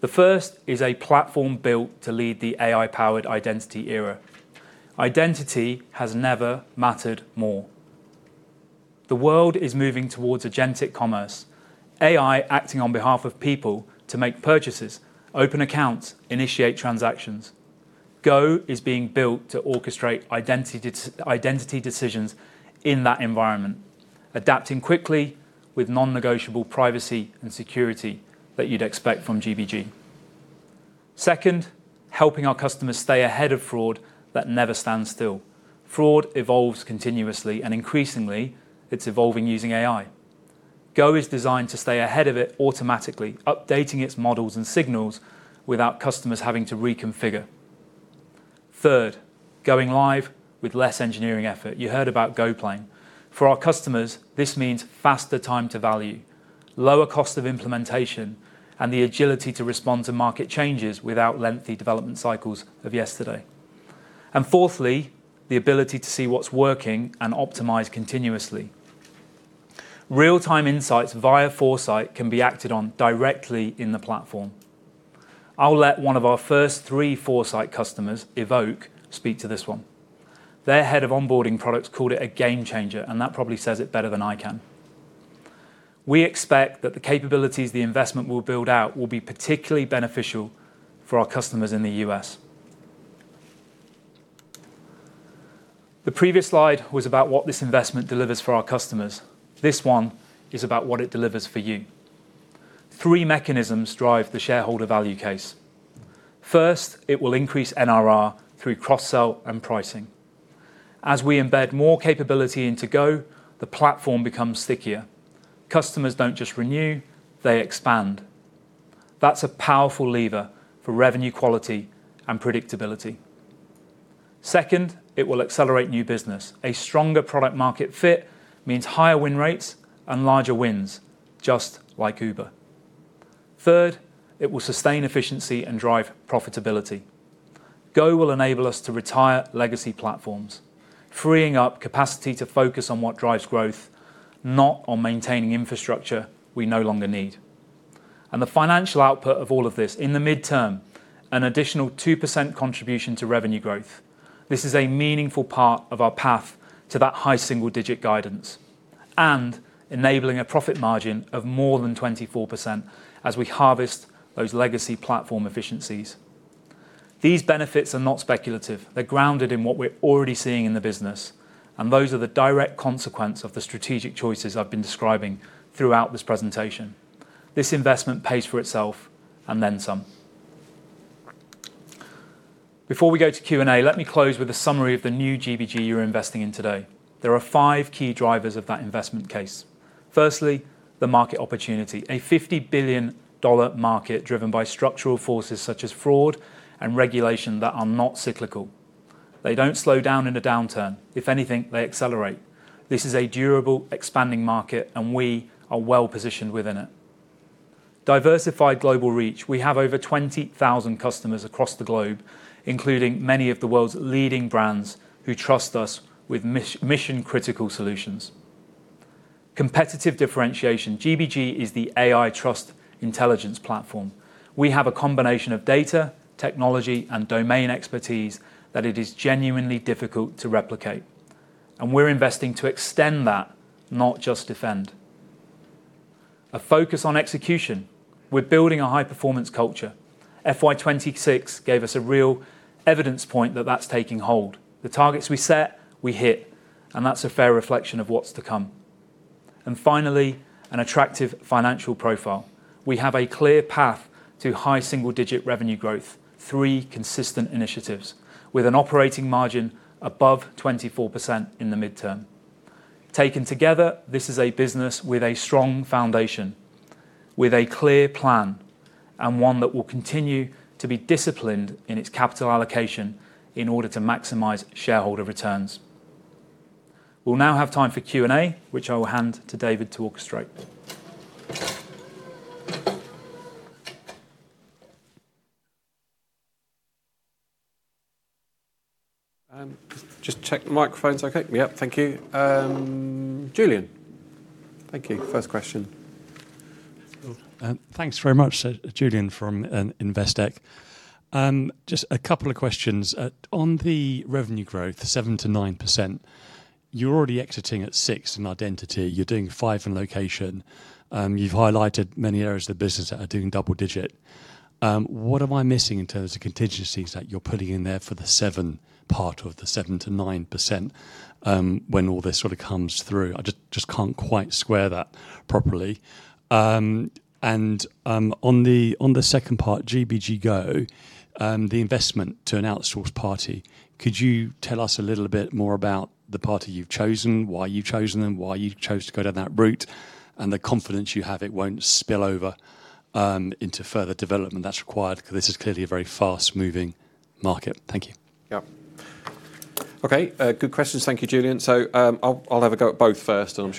The first is a platform built to lead the AI-powered identity era. Identity has never mattered more. The world is moving towards agentic commerce, AI acting on behalf of people to make purchases, open accounts, initiate transactions. Go is being built to orchestrate identity decisions in that environment, adapting quickly with non-negotiable privacy and security that you'd expect from GBG. Second, helping our customers stay ahead of fraud that never stands still. Fraud evolves continuously and increasingly, it's evolving using AI. Go is designed to stay ahead of it automatically, updating its models and signals without customers having to reconfigure. Third, going live with less engineering effort. You heard about GoPlane. For our customers, this means faster time to value, lower cost of implementation, and the agility to respond to market changes without lengthy development cycles of yesterday. Fourthly, the ability to see what's working and optimize continuously. Real-time insights via Foresight can be acted on directly in the platform. I'll let one of our first three Foresight customers, Evoke, speak to this one. Their head of onboarding products called it a game changer, that probably says it better than I can. We expect that the capabilities the investment will build out will be particularly beneficial for our customers in the U.S. The previous slide was about what this investment delivers for our customers. This one is about what it delivers for you. Three mechanisms drive the shareholder value case. First, it will increase NRR through cross-sell and pricing. As we embed more capability into Go, the platform becomes stickier. Customers don't just renew, they expand. That's a powerful lever for revenue quality and predictability. Second, it will accelerate new business. A stronger product market fit means higher win rates and larger wins, just like Uber. Third, it will sustain efficiency and drive profitability. Go will enable us to retire legacy platforms, freeing up capacity to focus on what drives growth, not on maintaining infrastructure we no longer need. The financial output of all of this, in the midterm, an additional 2% contribution to revenue growth. This is a meaningful part of our path to that high single-digit guidance and enabling a profit margin of more than 24% as we harvest those legacy platform efficiencies. These benefits are not speculative. They're grounded in what we're already seeing in the business, and those are the direct consequence of the strategic choices I've been describing throughout this presentation. This investment pays for itself and then some. Before we go to Q&A, let me close with a summary of the new GBG you're investing in today. There are five key drivers of that investment case. Firstly, the market opportunity, a GBP 50 billion market driven by structural forces such as fraud and regulation that are not cyclical. They don't slow down in a downturn. If anything, they accelerate. This is a durable, expanding market, and we are well-positioned within it. Diversified global reach. We have over 20,000 customers across the globe, including many of the world's leading brands who trust us with mission-critical solutions. Competitive differentiation. GBG is the AI trust intelligence platform. We have a combination of data, technology, and domain expertise that it is genuinely difficult to replicate, and we're investing to extend that, not just defend. A focus on execution. We're building a high-performance culture. FY 2026 gave us a real evidence point that that's taking hold. The targets we set, we hit, and that's a fair reflection of what's to come. Finally, an attractive financial profile. We have a clear path to high single-digit revenue growth, three consistent initiatives with an operating margin above 24% in the midterm. Taken together, this is a business with a strong foundation, with a clear plan, and one that will continue to be disciplined in its capital allocation in order to maximize shareholder returns. We'll now have time for Q&A, which I will hand to David to orchestrate. Just check the microphone's okay. Yep. Thank you. Julian. Thank you. First question? Thanks very much. Julian from Investec. Just a couple of questions. On the revenue growth, the 7%-9%, you're already exiting at 6% in identity. You're doing 5% in location. You've highlighted many areas of the business that are doing double digit. What am I missing in terms of contingencies that you're putting in there for the 7% part of the 7%-9%, when all this sort of comes through? I just can't quite square that properly. On the second part, GBG Go, the investment to an outsourced party, could you tell us a little bit more about the party you've chosen, why you've chosen them, why you chose to go down that route, and the confidence you have it won't spill over into further development that's required because this is clearly a very fast-moving market. Thank you. Yeah. Okay. Good questions. Thank you, Julian. I'll have a go at both first. Both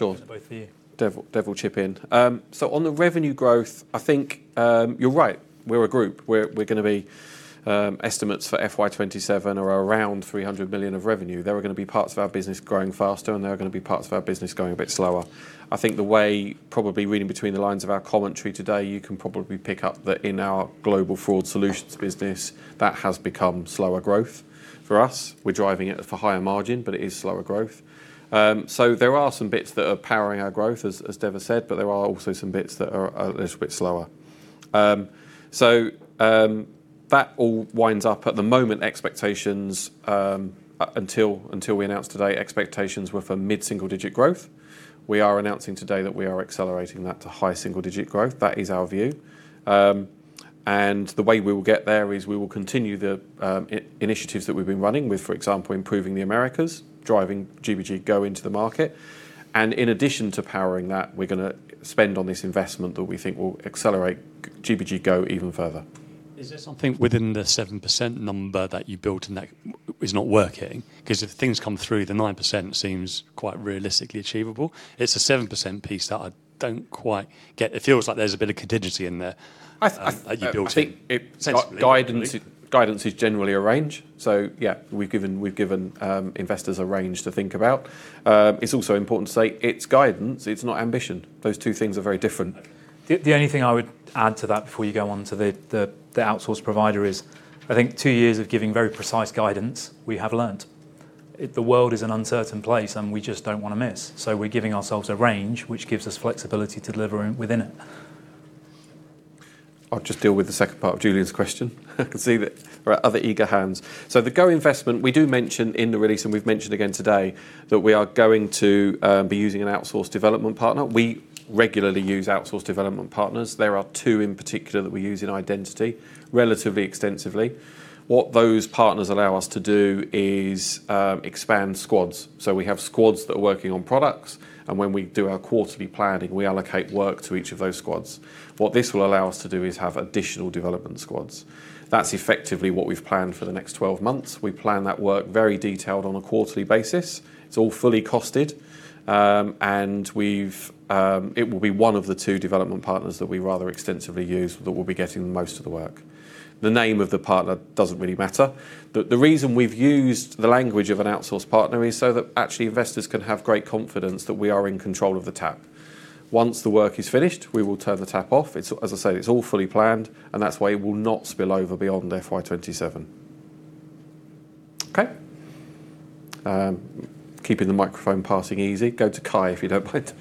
for you. Dev will chip in. On the revenue growth, I think you're right. We're a group. Estimates for FY 2027 are around 300 million of revenue. There are going to be parts of our business growing faster and there are going to be parts of our business going a bit slower. I think the way probably reading between the lines of our commentary today, you can probably pick up that in our Global Fraud Solutions business, that has become slower growth for us. We're driving it for higher margin, it is slower growth. There are some bits that are powering our growth, as Dev has said, there are also some bits that are a little bit slower. That all winds up at the moment expectations, until we announced today, expectations were for mid-single digit growth. We are announcing today that we are accelerating that to high single digit growth. That is our view. The way we will get there is we will continue the initiatives that we've been running with, for example, improving the Americas, driving GBG Go into the market. In addition to powering that, we're going to spend on this investment that we think will accelerate GBG Go even further. Is there something within the 7% number that you built in that? is not working because if things come through, the 9% seems quite realistically achievable. It's the 7% piece that I don't quite get. It feels like there's a bit of contingency in there. I think- that you built in guidance is generally a range. Yeah, we've given investors a range to think about. It's also important to say it's guidance, it's not ambition. Those two things are very different. The only thing I would add to that before you go on to the outsourced provider is, I think two years of giving very precise guidance, we have learned. The world is an uncertain place, and we just don't want to miss. We're giving ourselves a range, which gives us flexibility to deliver within it. I will just deal with the second part of Julian's question. I can see that there are other eager hands. The Go investment, we do mention in the release, and we have mentioned again today, that we are going to be using an outsourced development partner. We regularly use outsourced development partners. There are two in particular that we use in Identity relatively extensively. What those partners allow us to do is expand squads. We have squads that are working on products, and when we do our quarterly planning, we allocate work to each of those squads. What this will allow us to do is have additional development squads. That is effectively what we have planned for the next 12 months. We plan that work very detailed on a quarterly basis. It is all fully costed. It will be one of the two development partners that we rather extensively use that will be getting most of the work. The name of the partner doesn't really matter. The reason we've used the language of an outsourced partner is so that actually investors can have great confidence that we are in control of the tap. Once the work is finished, we will turn the tap off. As I said, it's all fully planned, and that's why it will not spill over beyond FY 2027. Okay. Keeping the microphone passing easy. Go to Kai, if you don't mind.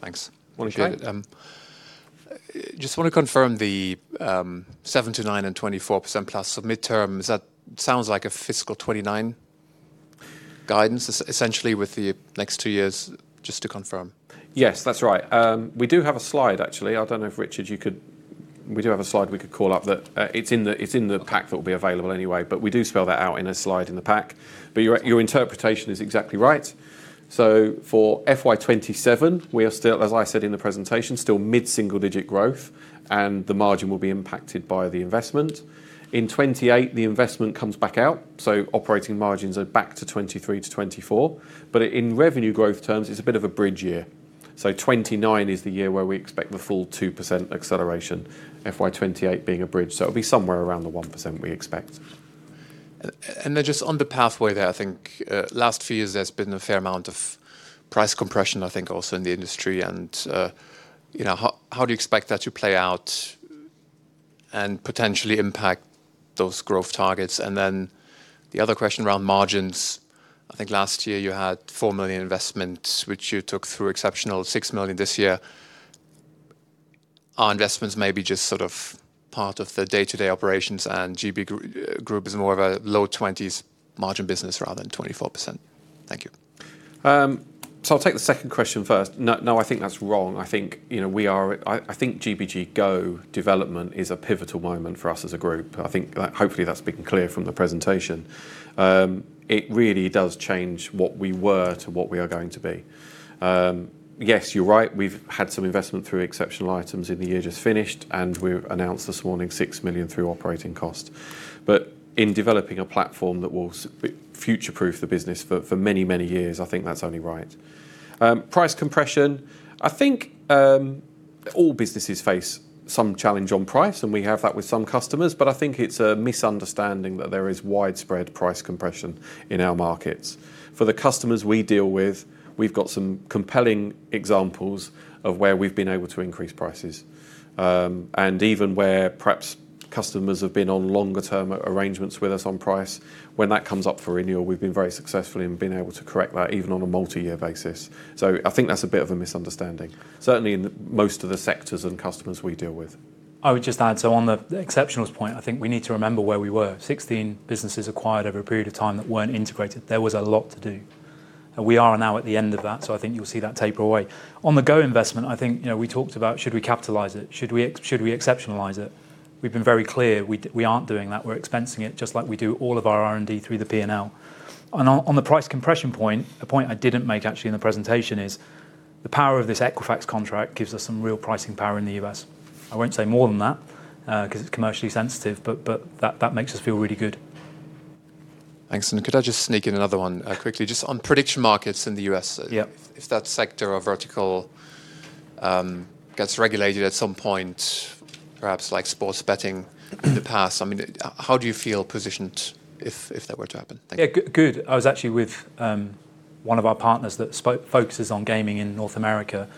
Thanks. Morning, Kai. Just want to confirm the 7%-9% and 24%+ mid-term, is that sounds like a fiscal 2029 guidance, essentially with the next two years, just to confirm? Yes, that's right. We do have a slide, actually. I don't know if, Richard, we do have a slide we could call up that it's in the pack that will be available anyway. We do spell that out in a slide in the pack. Your interpretation is exactly right. For FY 2027, we are still, as I said in the presentation, still mid-single-digit growth, and the margin will be impacted by the investment. In 2028, the investment comes back out. Operating margins are back to 23%-24%. In revenue growth terms, it's a bit of a bridge year. 2029 is the year where we expect the full 2% acceleration, FY 2028 being a bridge. It'll be somewhere around the 1% we expect. Just on the pathway there, last few years, there's been a fair amount of price compression also in the industry. How do you expect that to play out and potentially impact those growth targets? The other question around margins, last year you had 4 million investments, which you took through exceptional 6 million this year. Are investments maybe just part of the day-to-day operations and GB Group is more of a low 20s margin business rather than 24%? Thank you. I'll take the second question first. No, I think that's wrong. I think GBG Go development is a pivotal moment for us as a group. I think, hopefully, that's been clear from the presentation. It really does change what we were to what we are going to be. Yes, you're right, we've had some investment through exceptional items in the year just finished, and we've announced this morning 6 million through operating cost. In developing a platform that will future-proof the business for many, many years, I think that's only right. Price compression, I think all businesses face some challenge on price, and we have that with some customers, but I think it's a misunderstanding that there is widespread price compression in our markets. For the customers we deal with, we've got some compelling examples of where we've been able to increase prices. Even where perhaps customers have been on longer-term arrangements with us on price, when that comes up for renewal, we've been very successful in being able to correct that, even on a multi-year basis. I think that's a bit of a misunderstanding. Certainly, in most of the sectors and customers we deal with. I would just add, on the exceptionals point, I think we need to remember where we were. 16 businesses acquired over a period of time that weren't integrated. There was a lot to do. We are now at the end of that, I think you'll see that taper away. On the Go investment, I think we talked about should we capitalize it? Should we exceptionalize it? We've been very clear we aren't doing that. We're expensing it just like we do all of our R&D through the P&L. On the price compression point, a point I didn't make actually in the presentation is the power of this Equifax contract gives us some real pricing power in the U.S. I won't say more than that because it's commercially sensitive, that makes us feel really good. Thanks. Could I just sneak in another one quickly? Just on prediction markets in the U.S.? Yeah If that sector or vertical gets regulated at some point, perhaps like sports betting in the past, how do you feel positioned if that were to happen? Thank you. Yeah, good. I was actually with one of our partners that focuses on gaming in North America,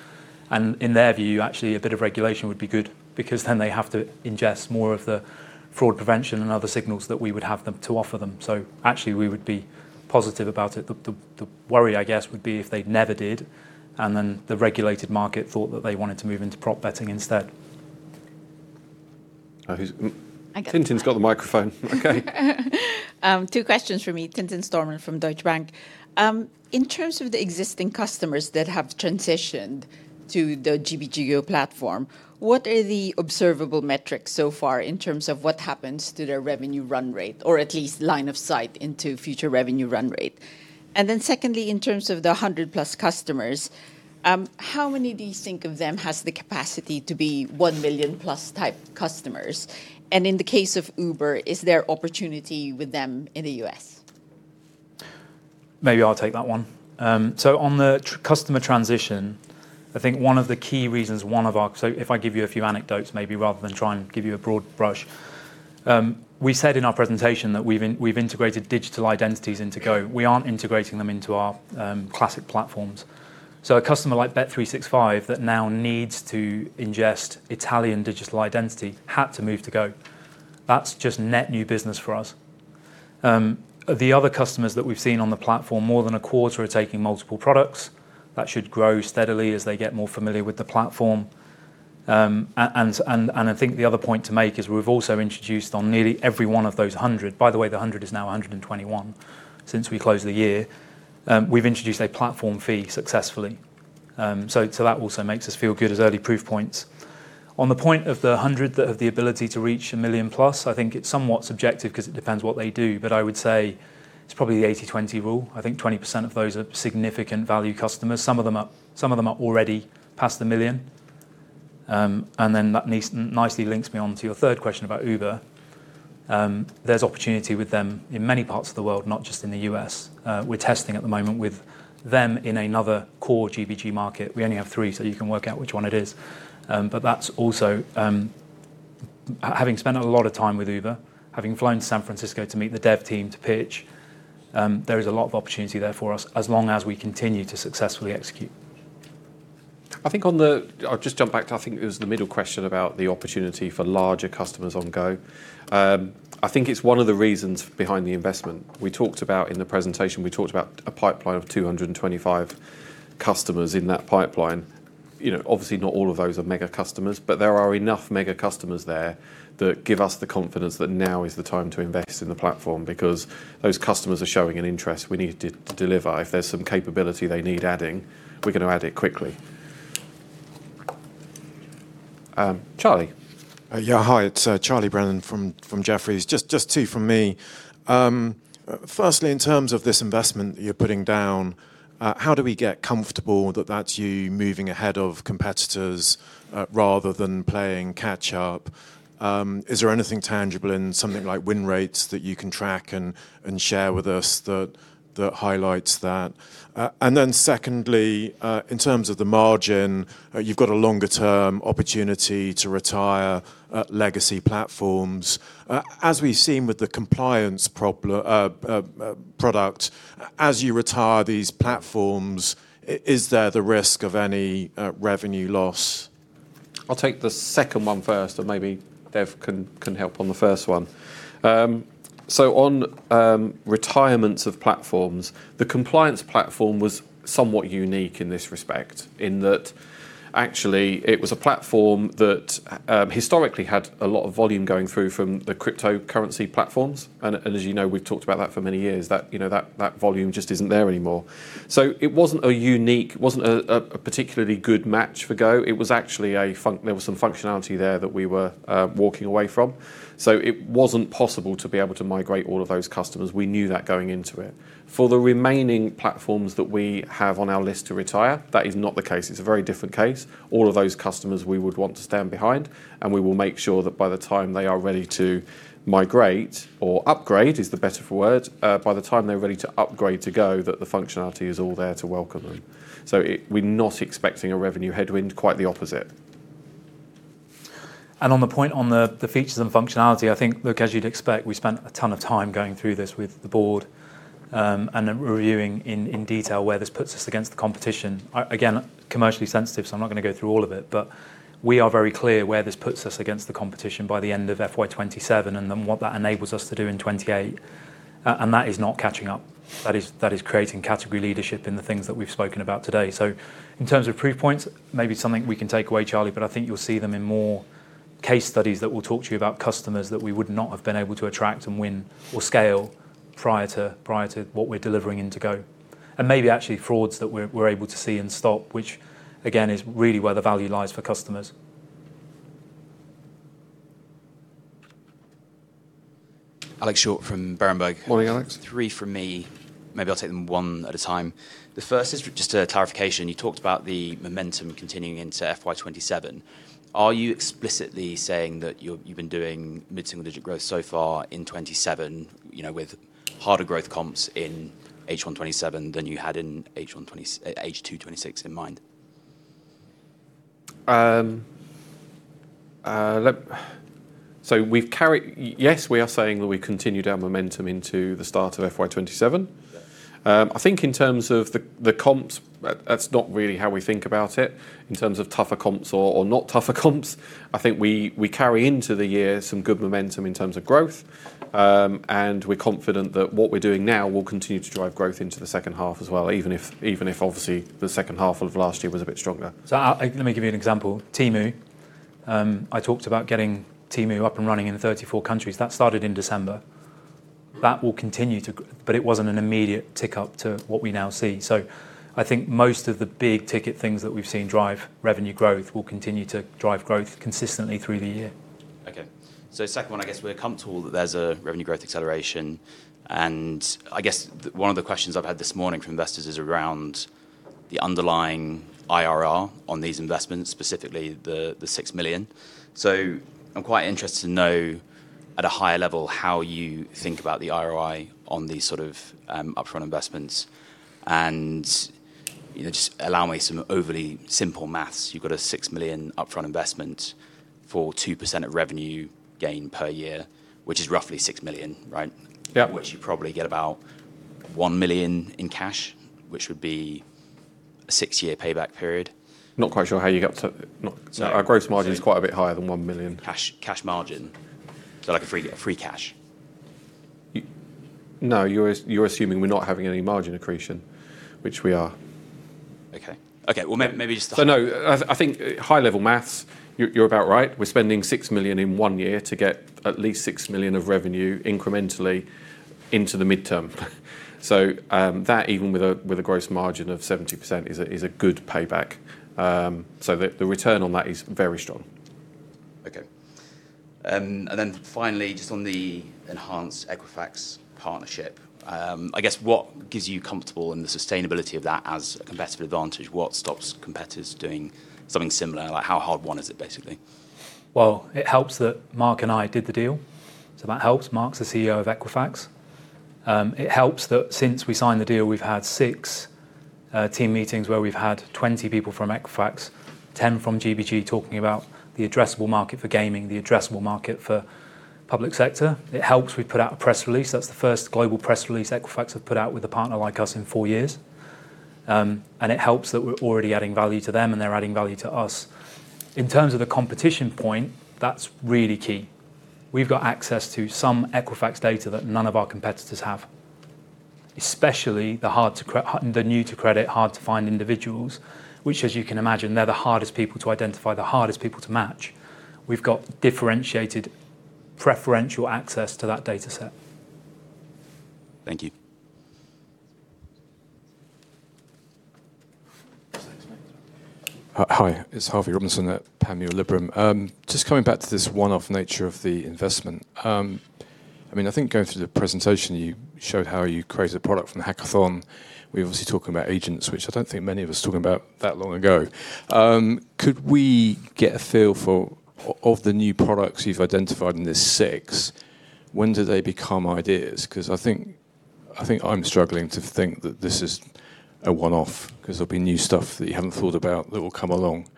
and in their view, actually, a bit of regulation would be good because then they have to ingest more of the fraud prevention and other signals that we would have to offer them. Actually, we would be positive about it. The worry, I guess, would be if they never did, and then the regulated market thought that they wanted to move into prop betting instead. Oh. I got- Tintin's got the microphone. Okay. Two questions from me. Tintin Stormont from Deutsche Bank. In terms of the existing customers that have transitioned to the GBG Go platform, what are the observable metrics so far in terms of what happens to their revenue run rate, or at least line of sight into future revenue run rate? Secondly, in terms of the 100+ customers, how many do you think of them has the capacity to be 1+ million type customers? In the case of Uber, is there opportunity with them in the U.S.? Maybe I'll take that one. On the customer transition, I think one of the key reasons, if I give you a few anecdotes, maybe rather than try and give you a broad brush. We said in our presentation that we've integrated digital identities into Go. We aren't integrating them into our classic platforms. A customer like bet365 that now needs to ingest Italian digital identity had to move to Go. That's just net new business for us. The other customers that we've seen on the platform, more than a quarter are taking multiple products. That should grow steadily as they get more familiar with the platform. I think the other point to make is we've also introduced on nearly every one of those 100, by the way, the 100 is now 121 since we closed the year, we've introduced a platform fee successfully. That also makes us feel good as early proof points. On the point of the 100 that have the ability to reach a million plus, I think it's somewhat subjective because it depends what they do. I would say it's probably the 80/20 rule. I think 20% of those are significant value customers. Some of them are already past the million. That nicely links me on to your third question about Uber. There's opportunity with them in many parts of the world, not just in the U.S. We're testing at the moment with them in another core GBG market. We only have three, so you can work out which one it is. That's also, having spent a lot of time with Uber, having flown to San Francisco to meet the dev team to pitch, there is a lot of opportunity there for us as long as we continue to successfully execute. I'll just jump back to, I think it was the middle question about the opportunity for larger customers on GBG Go. I think it's one of the reasons behind the investment. We talked about, in the presentation, we talked about a pipeline of 225 customers in that pipeline. Not all of those are mega customers, there are enough mega customers there that give us the confidence that now is the time to invest in the platform because those customers are showing an interest. We need to deliver. If there's some capability they need adding, we're going to add it quickly. Charlie? Yeah. Hi, it's Charlie Brennan from Jefferies. Just two from me. Firstly, in terms of this investment that you're putting down, how do we get comfortable that that's you moving ahead of competitors rather than playing catch up? Is there anything tangible in something like win rates that you can track and share with us that highlights that? Then secondly, in terms of the margin, you've got a longer-term opportunity to retire legacy platforms. As we've seen with the compliance product, as you retire these platforms, is there the risk of any revenue loss? I'll take the second one first, and maybe Dev can help on the first one. On retirements of platforms, the compliance platform was somewhat unique in this respect, in that actually it was a platform that historically had a lot of volume going through from the cryptocurrency platforms. As you know, we've talked about that for many years. That volume just isn't there anymore. It wasn't a particularly good match for GBG Go. There was some functionality there that we were walking away from. It wasn't possible to be able to migrate all of those customers. We knew that going into it. For the remaining platforms that we have on our list to retire, that is not the case. It's a very different case. All of those customers we would want to stand behind, and we will make sure that by the time they are ready to migrate or upgrade is the better for word, by the time they're ready to upgrade to Go, that the functionality is all there to welcome them. We're not expecting a revenue headwind, quite the opposite. On the point on the features and functionality, I think, look, as you'd expect, we spent a ton of time going through this with the board, then reviewing in detail where this puts us against the competition. Commercially sensitive, I'm not going to go through all of it. We are very clear where this puts us against the competition by the end of FY 2027, then what that enables us to do in 2028. That is not catching up. That is creating category leadership in the things that we've spoken about today. In terms of proof points, maybe something we can take away, Charlie, but I think you'll see them in more case studies that will talk to you about customers that we would not have been able to attract and win or scale prior to what we're delivering into Go. Maybe actually frauds that we're able to see and stop, which again, is really where the value lies for customers. Alex Short from Berenberg. Morning, Alex. Three from me. Maybe I'll take them one at a time. The first is just a clarification. You talked about the momentum continuing into FY 2027. Are you explicitly saying that you've been doing mid-single digit growth so far in 2027, with harder growth comps in H1 2027 than you had in H2 2026 in mind? Yes, we are saying that we continue our momentum into the start of FY 2027. Yeah. I think in terms of the comps, that's not really how we think about it in terms of tougher comps or not tougher comps. I think we carry into the year some good momentum in terms of growth. We're confident that what we're doing now will continue to drive growth into the second half as well, even if obviously the second half of last year was a bit stronger. Let me give you an example. Temu. I talked about getting Temu up and running in 34 countries. That started in December. That will continue to, but it wasn't an immediate tick-up to what we now see. I think most of the big ticket things that we've seen drive revenue growth will continue to drive growth consistently through the year. Okay. Second one, I guess we're comfortable that there's a revenue growth acceleration, I guess one of the questions I've had this morning from investors is around the underlying IRR on these investments, specifically the 6 million. I'm quite interested to know at a higher level how you think about the ROI on these sort of upfront investments. Just allow me some overly simple math. You've got a 6 million upfront investment for 2% of revenue gain per year, which is roughly 6 million, right? Yeah. Which you probably get about 1 million in cash, which would be a six-year payback period. Not quite sure how you got to. No. Our gross margin is quite a bit higher than 1 million. cash margin. Like a free cash. No, you're assuming we're not having any margin accretion, which we are. Okay. No, I think high level maths, you're about right. We're spending 6 million in one year to get at least 6 million of revenue incrementally into the midterm. That even with a gross margin of 70% is a good payback. The return on that is very strong. Okay. Finally, just on the enhanced Equifax partnership. I guess what gives you comfortable in the sustainability of that as a competitive advantage? What stops competitors doing something similar? Like how hard won is it, basically? It helps that Mark and I did the deal, so that helps. Mark's the CEO of Equifax. It helps that since we signed the deal, we've had six team meetings where we've had 20 people from Equifax, 10 from GBG, talking about the addressable market for gaming, the addressable market for public sector. It helps we put out a press release. That's the first global press release Equifax have put out with a partner like us in four years. It helps that we're already adding value to them, and they're adding value to us. In terms of the competition point, that's really key. We've got access to some Equifax data that none of our competitors have. Especially the new-to-credit, hard-to-find individuals, which as you can imagine, they're the hardest people to identify, the hardest people to match. We've got differentiated preferential access to that data set. Thank you. Hi, it's Harvey Robinson at Panmure Liberum. Just coming back to this one-off nature of the investment. I think going through the presentation, you showed how you created a product from the hackathon. We're obviously talking about agents, which I don't think many of us were talking about that long ago. Could we get a feel for, of the new products you've identified in this six, when do they become ideas? I think I'm struggling to think that this is a one-off. There'll be new stuff that you haven't thought about that will come along.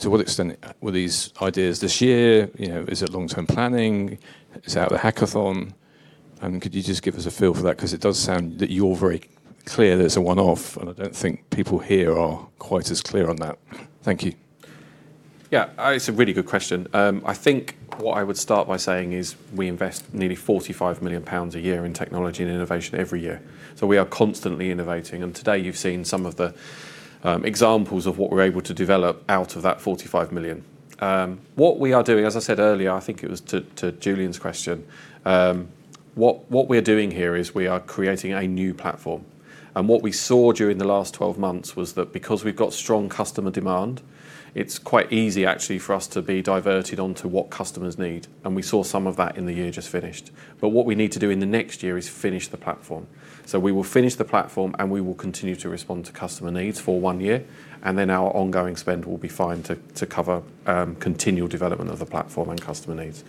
To what extent were these ideas this year? Is it long-term planning? Is it out of the hackathon? Could you just give us a feel for that? It does sound that you're very clear that it's a one-off, and I don't think people here are quite as clear on that. Thank you. It's a really good question. I think what I would start by saying is we invest nearly 45 million pounds a year in technology and innovation every year. We are constantly innovating, and today you've seen some of the examples of what we're able to develop out of that 45 million. What we are doing, as I said earlier, I think it was to Julian's question, what we're doing here is we are creating a new platform, and what we saw during the last 12 months was that because we've got strong customer demand, it's quite easy actually for us to be diverted onto what customers need, and we saw some of that in the year just finished. What we need to do in the next year is finish the platform. We will finish the platform, and we will continue to respond to customer needs for one year, and then our ongoing spend will be fine to cover continual development of the platform and customer needs.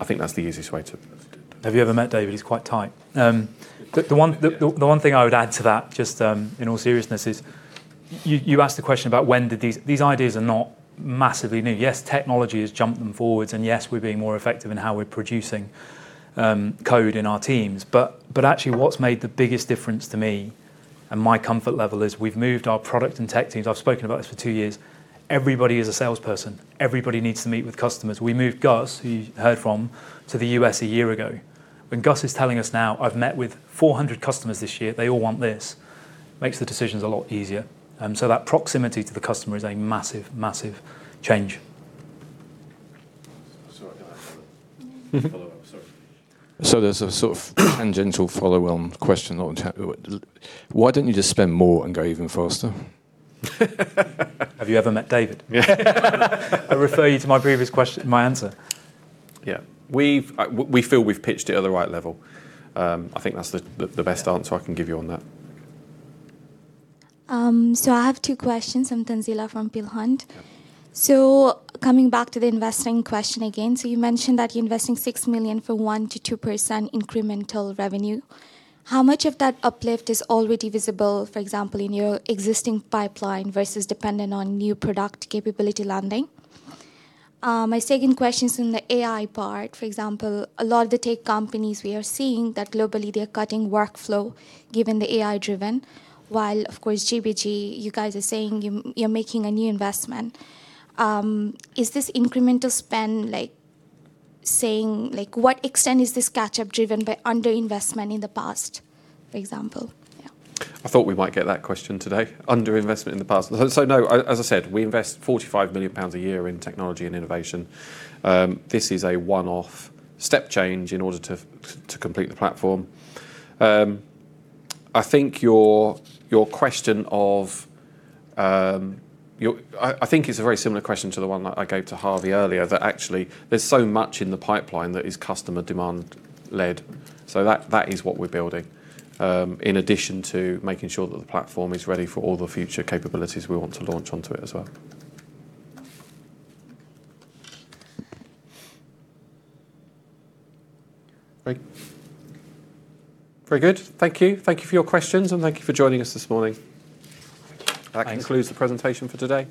I think that's the easiest way to. Have you ever met David? He's quite tight. The one thing I would add to that, just in all seriousness is, you asked the question about when did these. These ideas are not massively new. Yes, technology has jumped them forwards and yes, we're being more effective in how we're producing code in our teams. Actually what's made the biggest difference to me and my comfort level is we've moved our product and tech teams. I've spoken about this for two years. Everybody is a salesperson. Everybody needs to meet with customers. We moved Gus, who you heard from, to the U.S. a year ago. When Gus is telling us now, "I've met with 400 customers this year, they all want this," makes the decisions a lot easier. That proximity to the customer is a massive change. Sorry, can I follow? Follow up, sorry. There's a sort of tangential follow-on question on chat. Why don't you just spend more and go even faster? Have you ever met David? Yeah. I refer you to my previous question, my answer. Yeah. We feel we've pitched it at the right level. I think that's the best answer I can give you on that. I have two questions. I'm Tanzila from Peel Hunt. Yeah. Coming back to the investing question again. You mentioned that you're investing 6 million for 1%-2% incremental revenue. How much of that uplift is already visible, for example, in your existing pipeline versus dependent on new product capability landing? My second question is on the AI part. For example, a lot of the tech companies we are seeing that globally they're cutting workflow given the AI driven. While of course GBG, you guys are saying you're making a new investment. Is this incremental spend like saying, what extent is this catch-up driven by under-investment in the past, for example? Yeah. I thought we might get that question today. Under-investment in the past. No, as I said, we invest 45 million pounds a year in technology and innovation. This is a one-off step change in order to complete the platform. I think it's a very similar question to the one that I gave to Harvey earlier, that actually there's so much in the pipeline that is customer demand led. That is what we're building, in addition to making sure that the platform is ready for all the future capabilities we want to launch onto it as well. Great. Very good. Thank you. Thank you for your questions, and thank you for joining us this morning. Thank you. That concludes the presentation for today.